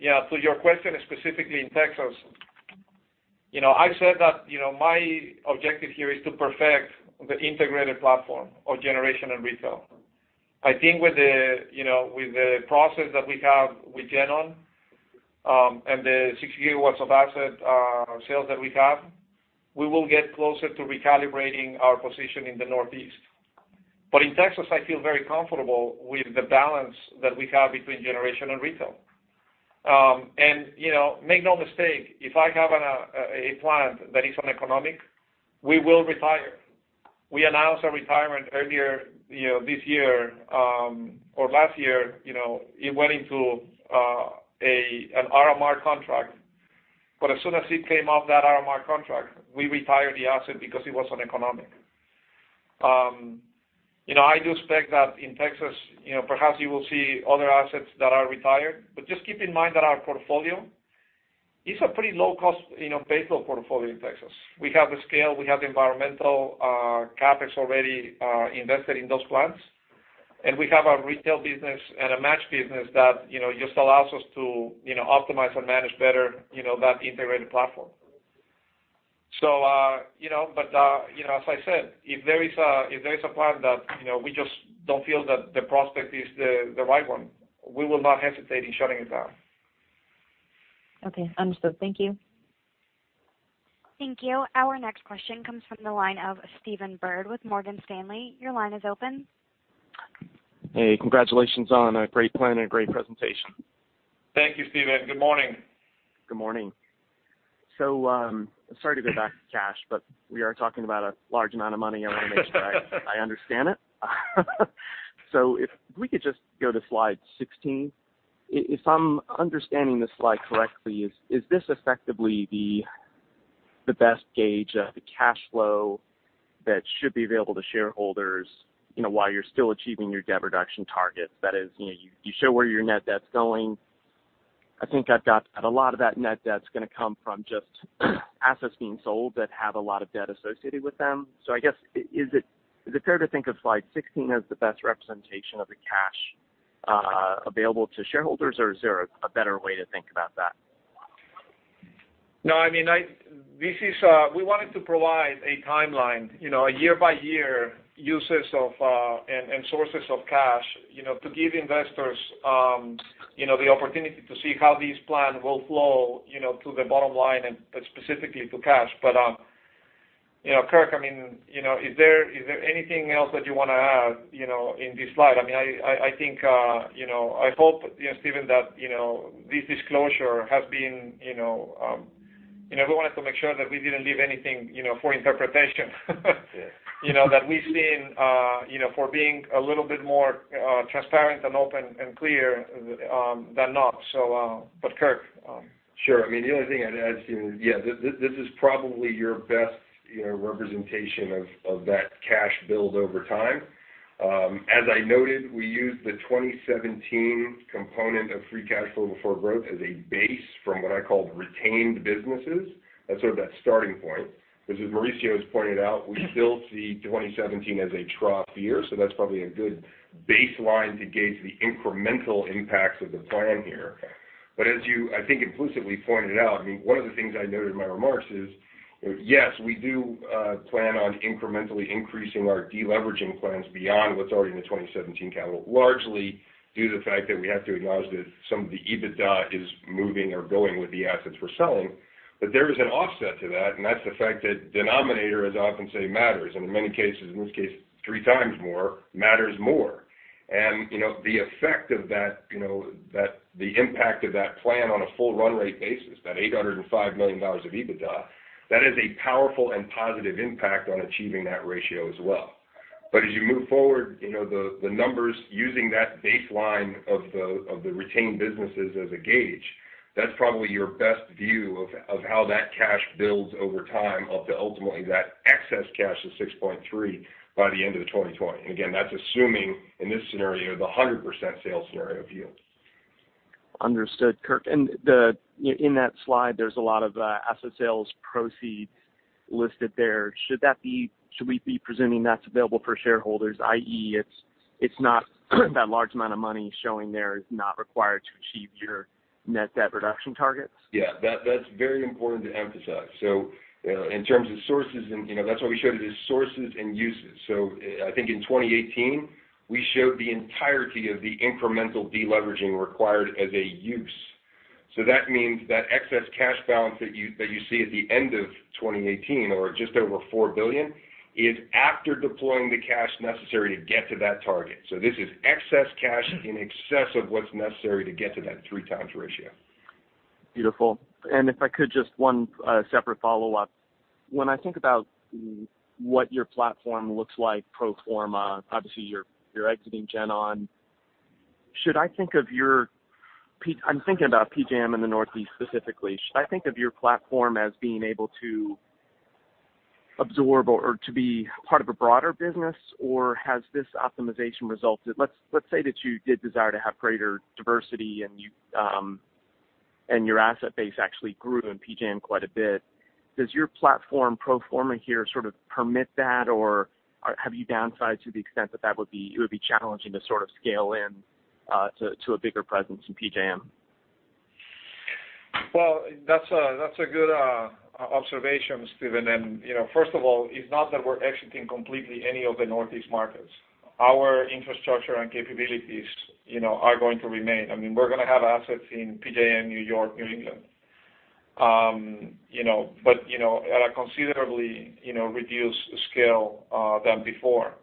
Your question is specifically in Texas I said that my objective here is to perfect the integrated platform of generation and retail. I think with the process that we have with GenOn, the six gigawatts of asset sales that we have, we will get closer to recalibrating our position in the Northeast. In Texas, I feel very comfortable with the balance that we have between generation and retail. Make no mistake, if I have a plant that is uneconomic, we will retire. We announced a retirement earlier this year, or last year, it went into an RMR contract. As soon as it came off that RMR contract, we retired the asset because it was uneconomic. I do expect that in Texas, perhaps you will see other assets that are retired. Just keep in mind that our portfolio is a pretty low-cost base load portfolio in Texas. We have the scale, we have the environmental CapEx already invested in those plants. We have a retail business and a match business that just allows us to optimize and manage better that integrated platform. As I said, if there is a plant that we just don't feel that the prospect is the right one, we will not hesitate in shutting it down. Okay. Understood. Thank you. Thank you. Our next question comes from the line of Stephen Byrd with Morgan Stanley. Your line is open. Hey, congratulations on a great plan and a great presentation. Thank you, Stephen. Good morning. Good morning. Sorry to go back to cash, we are talking about a large amount of money. I want to make sure I understand it. If we could just go to slide sixteen. If I'm understanding this slide correctly, is this effectively the best gauge of the cash flow that should be available to shareholders while you're still achieving your debt reduction targets? That is, you show where your net debt's going. I think I've got that a lot of that net debt's going to come from just assets being sold that have a lot of debt associated with them. I guess, is it fair to think of slide sixteen as the best representation of the cash available to shareholders? Or is there a better way to think about that? No, we wanted to provide a timeline, a year by year uses of and sources of cash, to give investors the opportunity to see how this plan will flow to the bottom line and specifically to cash. Kirk, is there anything else that you want to add in this slide? I hope, Stephen, that this disclosure has been we wanted to make sure that we didn't leave anything for interpretation. Yes. That we've been for being a little bit more transparent and open and clear than not. Kirk? Sure. The only thing I'd add, Stephen, is this is probably your best representation of that cash build over time. As I noted, we used the 2017 component of free cash flow before growth as a base from what I call retained businesses. That's sort of that starting point, because as Mauricio has pointed out, we still see 2017 as a trough year, that's probably a good baseline to gauge the incremental impacts of the plan here. As you, I think, inclusively pointed out, one of the things I noted in my remarks is, yes, we do plan on incrementally increasing our de-leveraging plans beyond what's already in the 2017 capital, largely due to the fact that we have to acknowledge that some of the EBITDA is moving or going with the assets we're selling. There is an offset to that, and that's the fact that denominator, as I often say, matters, and in many cases, in this case, three times more, matters more. The effect of that, the impact of that plan on a full run-rate basis, that $805 million of EBITDA, that is a powerful and positive impact on achieving that ratio as well. As you move forward, the numbers using that baseline of the retained businesses as a gauge, that's probably your best view of how that cash builds over time up to ultimately that excess cash of $6.3 by the end of 2020. Again, that's assuming in this scenario, the 100% sales scenario view. Understood, Kirk. In that slide, there's a lot of asset sales proceeds listed there. Should we be presuming that's available for shareholders, i.e., that large amount of money showing there is not required to achieve your net debt reduction targets? Yeah. That's very important to emphasize. In terms of sources, and that's why we showed it as sources and uses. I think in 2018, we showed the entirety of the incremental de-leveraging required as a use. That means that excess cash balance that you see at the end of 2018, or just over $4 billion, is after deploying the cash necessary to get to that target. This is excess cash in excess of what's necessary to get to that three times ratio. Beautiful. If I could, just one separate follow-up. When I think about what your platform looks like pro forma, obviously you're exiting GenOn. I'm thinking about PJM in the Northeast specifically. Should I think of your platform as being able to absorb or to be part of a broader business? Let's say that you did desire to have greater diversity and your asset base actually grew in PJM quite a bit. Does your platform pro forma here sort of permit that or have you downsized to the extent that it would be challenging to sort of scale in to a bigger presence in PJM? Well, that's a good observation, Stephen. First of all, it's not that we're exiting completely any of the Northeast markets. Our infrastructure and capabilities are going to remain. We're going to have assets in PJM, New York, New England. At a considerably reduced scale than before.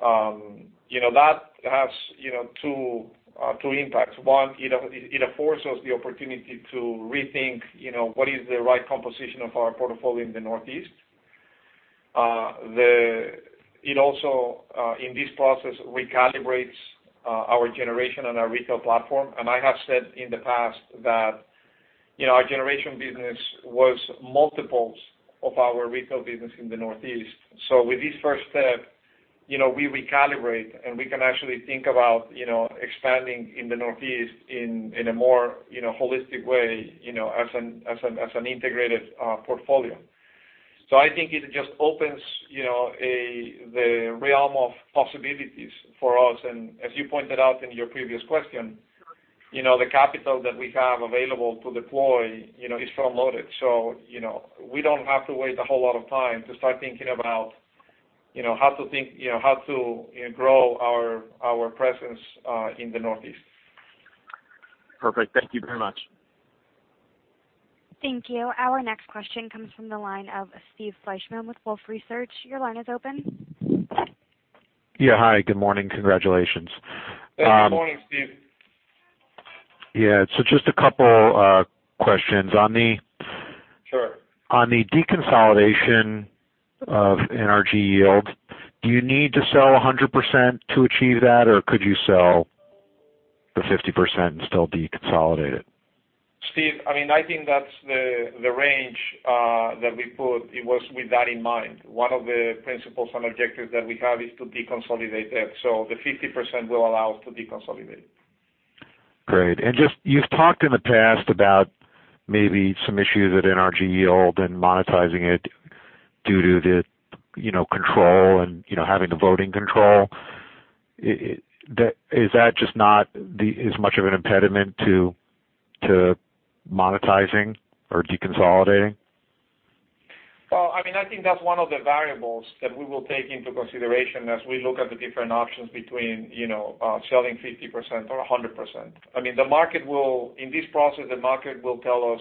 That has two impacts. One, it affords us the opportunity to rethink what is the right composition of our portfolio in the Northeast. It also, in this process, recalibrates our generation and our retail platform. I have said in the past that our generation business was multiples of our retail business in the Northeast. With this first step, we recalibrate, and we can actually think about expanding in the Northeast in a more holistic way, as an integrated portfolio. I think it just opens the realm of possibilities for us, and as you pointed out in your previous question, the capital that we have available to deploy is front-loaded. We don't have to waste a whole lot of time to start thinking about how to grow our presence in the Northeast. Perfect. Thank you very much. Thank you. Our next question comes from the line of Steve Fleishman with Wolfe Research. Your line is open. Hi, good morning. Congratulations. Good morning, Steve. Just a couple questions. Sure. On the deconsolidation of NRG Yield, do you need to sell 100% to achieve that, or could you sell the 50% and still deconsolidate it? Steve, I think that's the range that we put. It was with that in mind. One of the principles and objectives that we have is to deconsolidate that. The 50% will allow us to deconsolidate. Great. You've talked in the past about maybe some issues at NRG Yield and monetizing it due to the control and having the voting control. Is that just not as much of an impediment to monetizing or deconsolidating? Well, I think that's one of the variables that we will take into consideration as we look at the different options between selling 50% or 100%. In this process, the market will tell us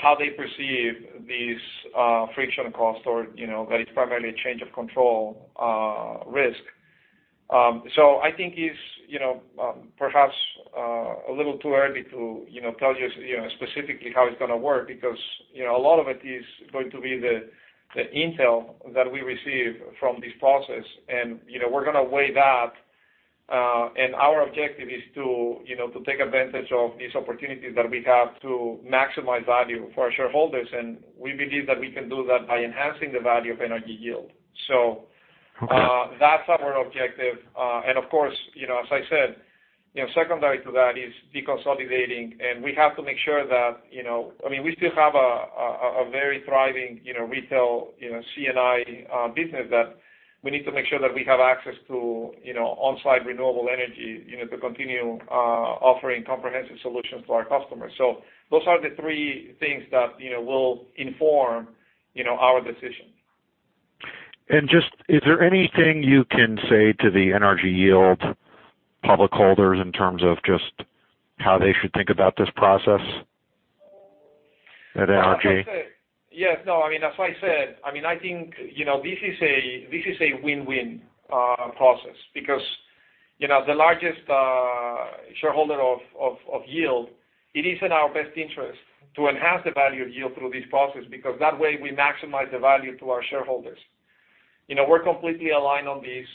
how they perceive these friction costs or that it's primarily a change of control risk. I think it's perhaps a little too early to tell you specifically how it's going to work because a lot of it is going to be the intel that we receive from this process. We're going to weigh that, and our objective is to take advantage of these opportunities that we have to maximize value for our shareholders. We believe that we can do that by enhancing the value of NRG Yield. Okay. That's our objective. Of course, as I said, secondary to that is deconsolidating, and we have to make sure that we still have a very thriving retail C&I business that we need to make sure that we have access to on-site renewable energy to continue offering comprehensive solutions to our customers. Those are the three things that will inform our decision. Is there anything you can say to the NRG Yield public holders in terms of just how they should think about this process at NRG? Yes. As I said, I think this is a win-win process because, the largest shareholder of Yield, it is in our best interest to enhance the value of Yield through this process, because that way, we maximize the value to our shareholders. We're completely aligned on this.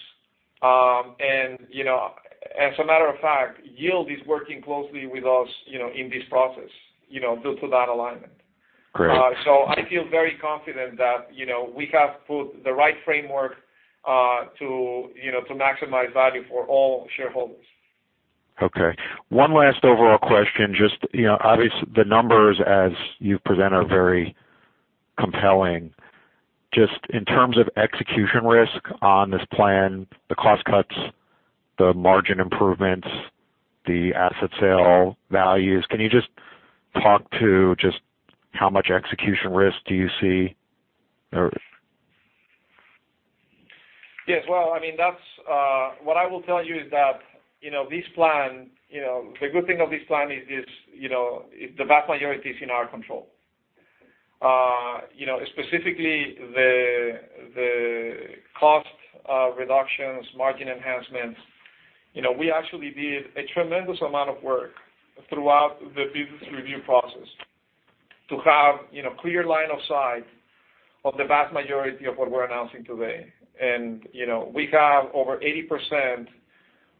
As a matter of fact, Yield is working closely with us in this process due to that alignment. Great. I feel very confident that we have put the right framework to maximize value for all shareholders. Okay. One last overall question. Obviously, the numbers as you've presented are very compelling. Just in terms of execution risk on this plan, the cost cuts, the margin improvements, the asset sale values, can you just talk to just how much execution risk do you see? Yes. What I will tell you is that the good thing of this plan is the vast majority is in our control. Specifically, the cost reductions, margin enhancements. We actually did a tremendous amount of work throughout the business review process to have clear line of sight of the vast majority of what we're announcing today. We have over 80%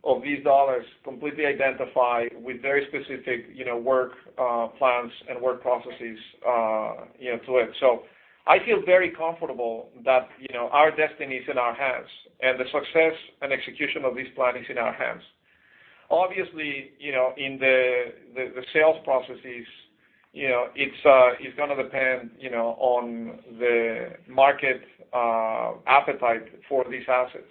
of these dollars completely identified with very specific work plans and work processes to it. I feel very comfortable that our destiny is in our hands, and the success and execution of this plan is in our hands. Obviously, in the sales processes It's going to depend on the market appetite for these assets.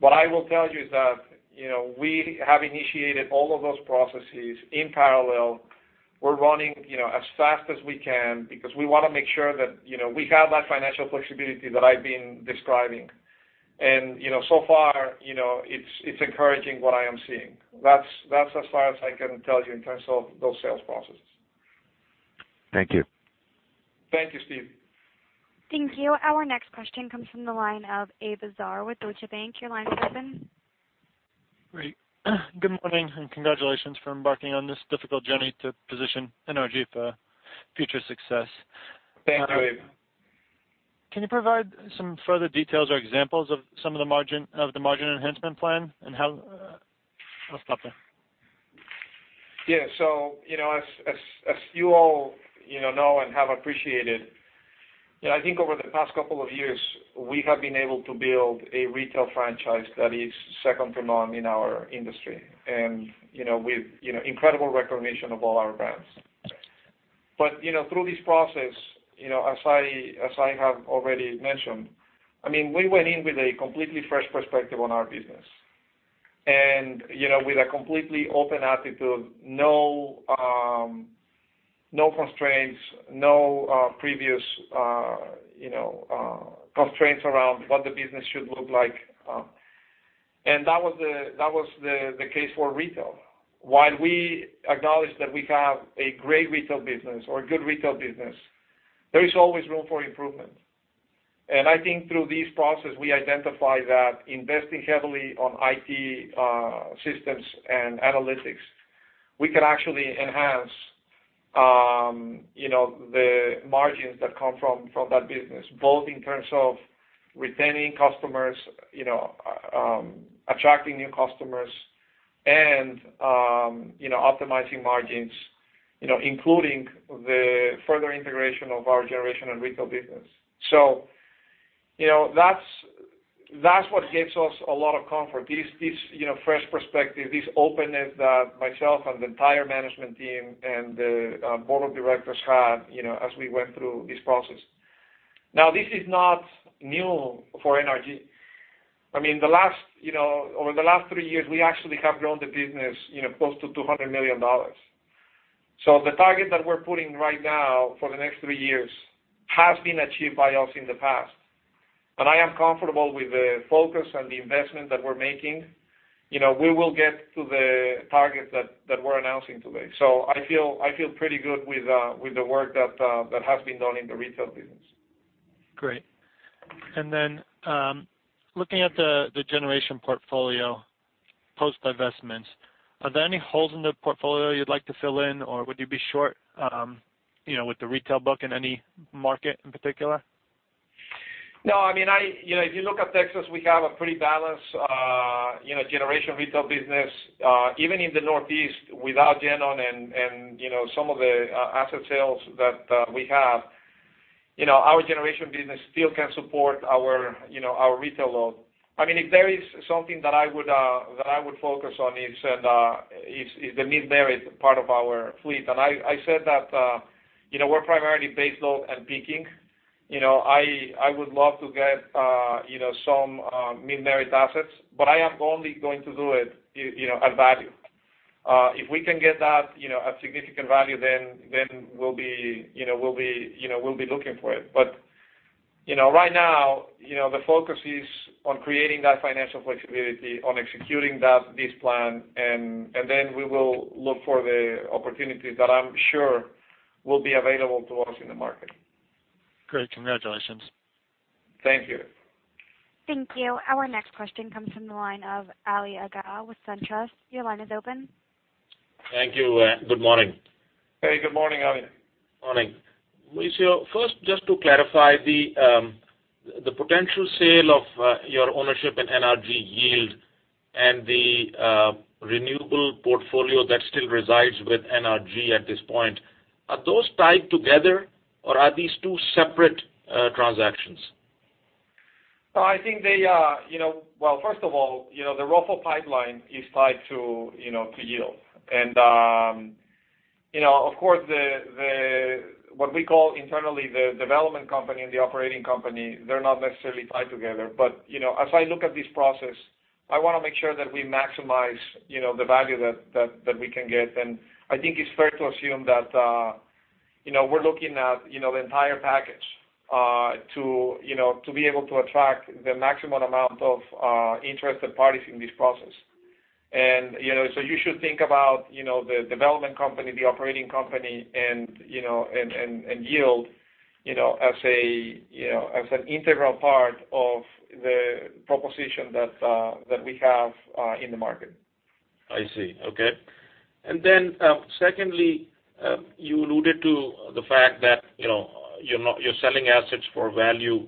What I will tell you is that we have initiated all of those processes in parallel. We're running as fast as we can because we want to make sure that we have that financial flexibility that I've been describing. So far, it's encouraging what I am seeing. That's as far as I can tell you in terms of those sales processes. Thank you. Thank you, Steve. Thank you. Our next question comes from the line of Avi Nazar with Deutsche Bank. Your line is open. Great. Good morning, and congratulations for embarking on this difficult journey to position NRG for future success. Thanks, Avi. Can you provide some further details or examples of some of the margin enhancement plan and how I'll stop there. Yeah. As you all know and have appreciated, I think over the past couple of years, we have been able to build a retail franchise that is second to none in our industry, with incredible recognition of all our brands. Through this process, as I have already mentioned, we went in with a completely fresh perspective on our business. With a completely open attitude, no constraints, no previous constraints around what the business should look like. That was the case for retail. While we acknowledge that we have a great retail business or a good retail business, there is always room for improvement. I think through this process, I identify that investing heavily on IT systems and analytics, we can actually enhance the margins that come from that business, both in terms of retaining customers, attracting new customers, and optimizing margins, including the further integration of our generation and retail business. That's what gives us a lot of comfort, this fresh perspective, this openness that myself and the entire management team and the board of directors had as we went through this process. This is not new for NRG. Over the last three years, we actually have grown the business close to $200 million. The target that we're putting right now for the next three years has been achieved by us in the past. I am comfortable with the focus and the investment that we're making. We will get to the target that we're announcing today. I feel pretty good with the work that has been done in the retail business. Great. Then, looking at the generation portfolio, post divestments, are there any holes in the portfolio you'd like to fill in, or would you be short with the retail book in any market in particular? No, if you look at Texas, we have a pretty balanced generation retail business. Even in the Northeast without GenOn and some of the asset sales that we have, our generation business still can support our retail load. If there is something that I would focus on, it's the mid-merit part of our fleet. I said that we're primarily baseload and peaking. I would love to get some mid-merit assets, I am only going to do it at value. If we can get that at significant value, we'll be looking for it. Right now, the focus is on creating that financial flexibility, on executing this plan, we will look for the opportunities that I'm sure will be available to us in the market. Great. Congratulations. Thank you. Thank you. Our next question comes from the line of Ali Agha with SunTrust. Your line is open. Thank you, and good morning. Hey, good morning, Ali. Morning. Mauricio, first, just to clarify the potential sale of your ownership in NRG Yield and the renewable portfolio that still resides with NRG at this point, are those tied together, or are these two separate transactions? Well, first of all, the ROFO pipeline is tied to Yield. Of course, what we call internally the development company and the operating company, they're not necessarily tied together. As I look at this process, I want to make sure that we maximize the value that we can get. I think it's fair to assume that we're looking at the entire package to be able to attract the maximum amount of interested parties in this process. You should think about the development company, the operating company, and Yield as an integral part of the proposition that we have in the market. I see. Okay. Secondly, you alluded to the fact that you're selling assets for value,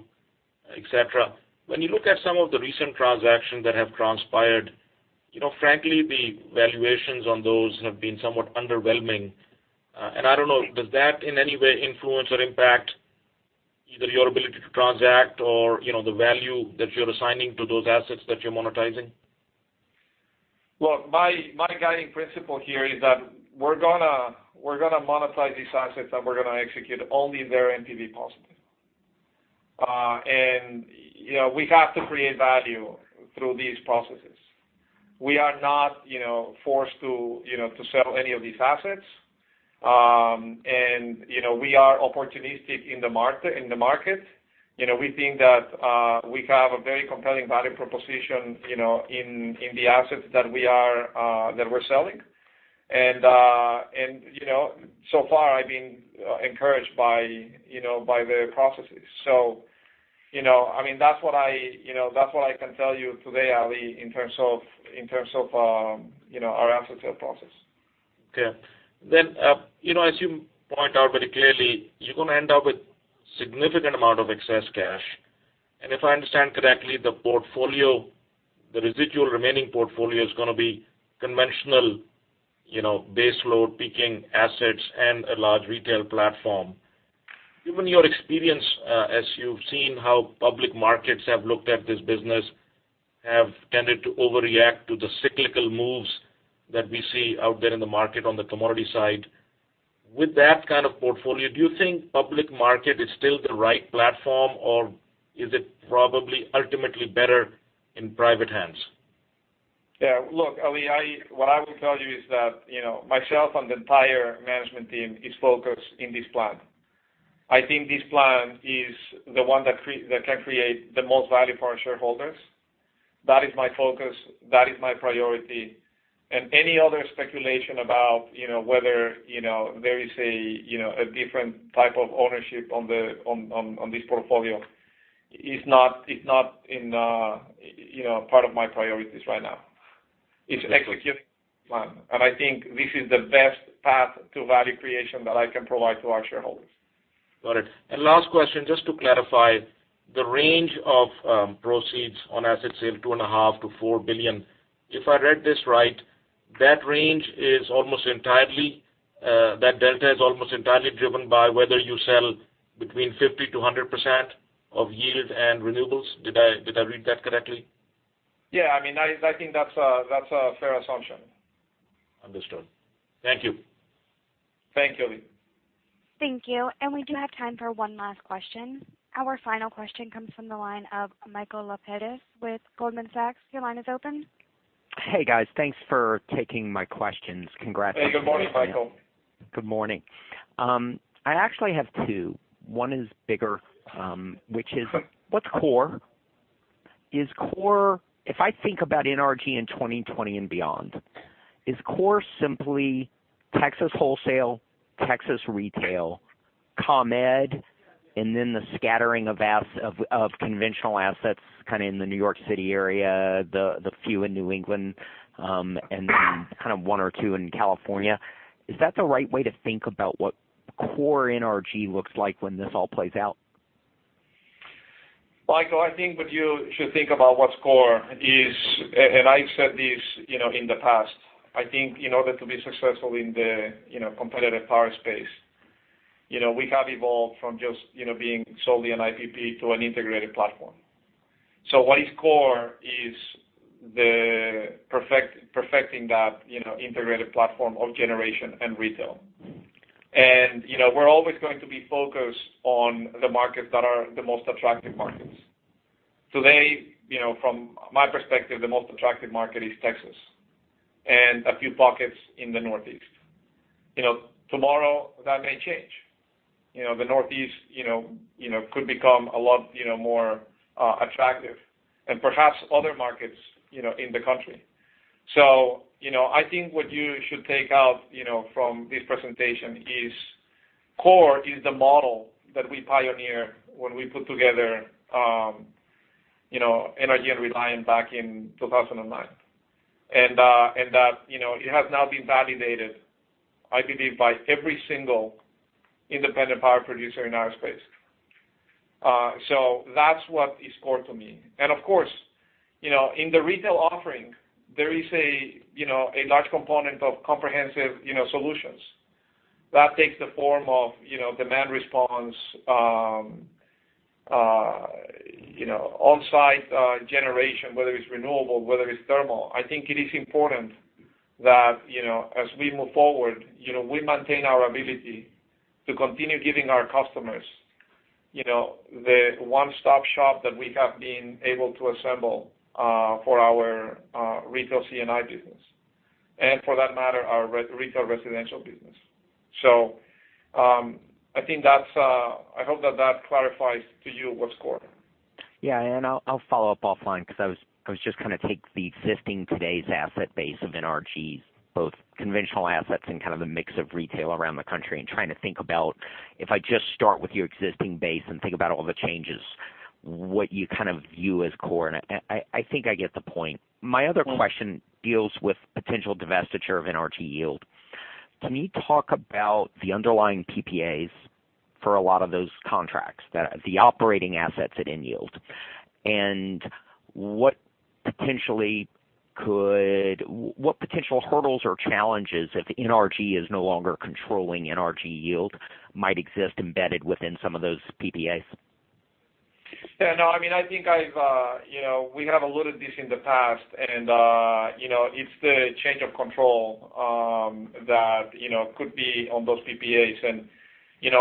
et cetera. When you look at some of the recent transactions that have transpired, frankly, the valuations on those have been somewhat underwhelming. And I don't know, does that in any way influence or impact either your ability to transact or the value that you're assigning to those assets that you're monetizing? Look, my guiding principle here is that we're going to monetize these assets, and we're going to execute only if they're NPV positive. We have to create value through these processes. We are not forced to sell any of these assets. We are opportunistic in the market. We think that we have a very compelling value proposition in the assets that we're selling. So far, I've been encouraged by the processes. That's what I can tell you today, Ali, in terms of our asset sale process. Okay. As you point out very clearly, you're going to end up with significant amount of excess cash. If I understand correctly, the residual remaining portfolio is going to be conventional baseload peaking assets and a large retail platform. Given your experience, as you've seen how public markets have looked at this business, have tended to overreact to the cyclical moves that we see out there in the market on the commodity side. With that kind of portfolio, do you think public market is still the right platform, or is it probably ultimately better in private hands? Yeah. Look, Ali, what I will tell you is that, myself and the entire management team is focused in this plan. I think this plan is the one that can create the most value for our shareholders. That is my focus, that is my priority. Any other speculation about whether there is a different type of ownership on this portfolio is not part of my priorities right now. It's execute the plan. I think this is the best path to value creation that I can provide to our shareholders. Got it. Last question, just to clarify, the range of proceeds on asset sale, $2.5 billion-$4 billion. If I read this right, that delta is almost entirely driven by whether you sell between 50%-100% of Yield and renewables. Did I read that correctly? Yeah, I think that's a fair assumption. Understood. Thank you. Thank you, Ali. Thank you. We do have time for one last question. Our final question comes from the line of Michael Lapides with Goldman Sachs. Your line is open. Hey, guys. Thanks for taking my questions. Congrats. Hey, good morning, Michael. Good morning. I actually have two. One is bigger. Sure What's core? If I think about NRG in 2020 and beyond, is core simply Texas wholesale, Texas retail, ComEd, and then the scattering of conventional assets kind of in the New York City area, the few in New England, and then kind of one or two in California? Is that the right way to think about what core NRG looks like when this all plays out? Michael, I think what you should think about what's core is, I've said this in the past. I think in order to be successful in the competitive power space, we have evolved from just being solely an IPP to an integrated platform. What is core is the perfecting that integrated platform of generation and retail. We're always going to be focused on the markets that are the most attractive markets. Today, from my perspective, the most attractive market is Texas and a few pockets in the Northeast. Tomorrow, that may change. The Northeast could become a lot more attractive and perhaps other markets in the country. I think what you should take out from this presentation is core is the model that we pioneer when we put together NRG and Reliant back in 2009. That it has now been validated, I believe, by every single independent power producer in our space. That's what is core to me. Of course, in the retail offering, there is a large component of comprehensive solutions. That takes the form of demand response on-site generation, whether it's renewable, whether it's thermal. I think it is important that as we move forward, we maintain our ability to continue giving our customers the one-stop shop that we have been able to assemble for our retail C&I business, and for that matter, our retail residential business. I hope that that clarifies to you what's core. Yeah, I'll follow up offline because I was just going to take the existing today's asset base of NRG's both conventional assets and kind of the mix of retail around the country and trying to think about if I just start with your existing base and think about all the changes, what you kind of view as core, and I think I get the point. My other question deals with potential divestiture of NRG Yield. Can you talk about the underlying PPAs for a lot of those contracts, the operating assets at in Yield? What potential hurdles or challenges if NRG is no longer controlling NRG Yield might exist embedded within some of those PPAs? Yeah, no, I think we have alluded this in the past, it's the change of control that could be on those PPAs.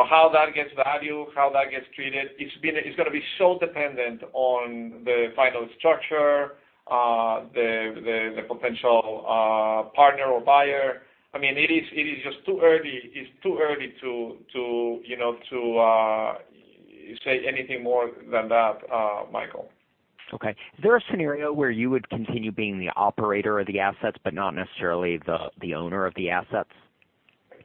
How that gets value, how that gets treated, it's going to be so dependent on the final structure, the potential partner or buyer. It is just too early to say anything more than that, Michael. Okay. Is there a scenario where you would continue being the operator of the assets, but not necessarily the owner of the assets?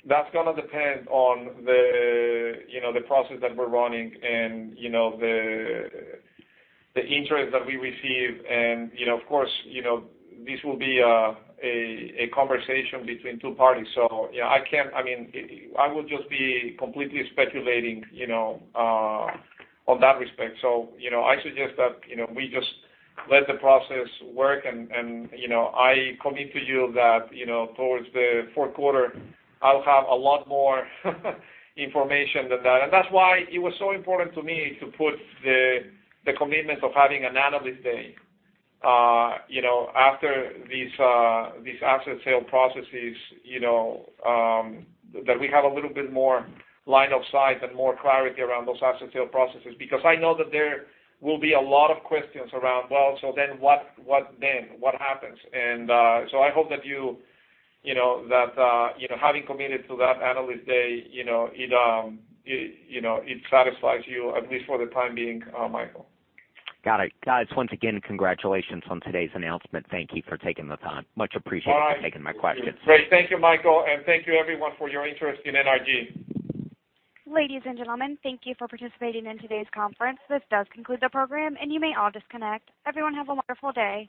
That's going to depend on the process that we're running and the interest that we receive. Of course, this will be a conversation between two parties. I would just be completely speculating on that respect. I suggest that we just let the process work, and I commit to you that towards the fourth quarter, I'll have a lot more information than that. That's why it was so important to me to put the commitment of having an Analyst Day after these asset sale processes, that we have a little bit more line of sight and more clarity around those asset sale processes. I know that there will be a lot of questions around, well, what then? What happens? I hope that having committed to that Analyst Day, it satisfies you, at least for the time being, Michael. Got it. Guys, once again, congratulations on today's announcement. Thank you for taking the time. Much appreciated. Bye taking my questions. Great. Thank you, Michael, and thank you everyone for your interest in NRG. Ladies and gentlemen, thank you for participating in today's conference. This does conclude the program, and you may all disconnect. Everyone, have a wonderful day.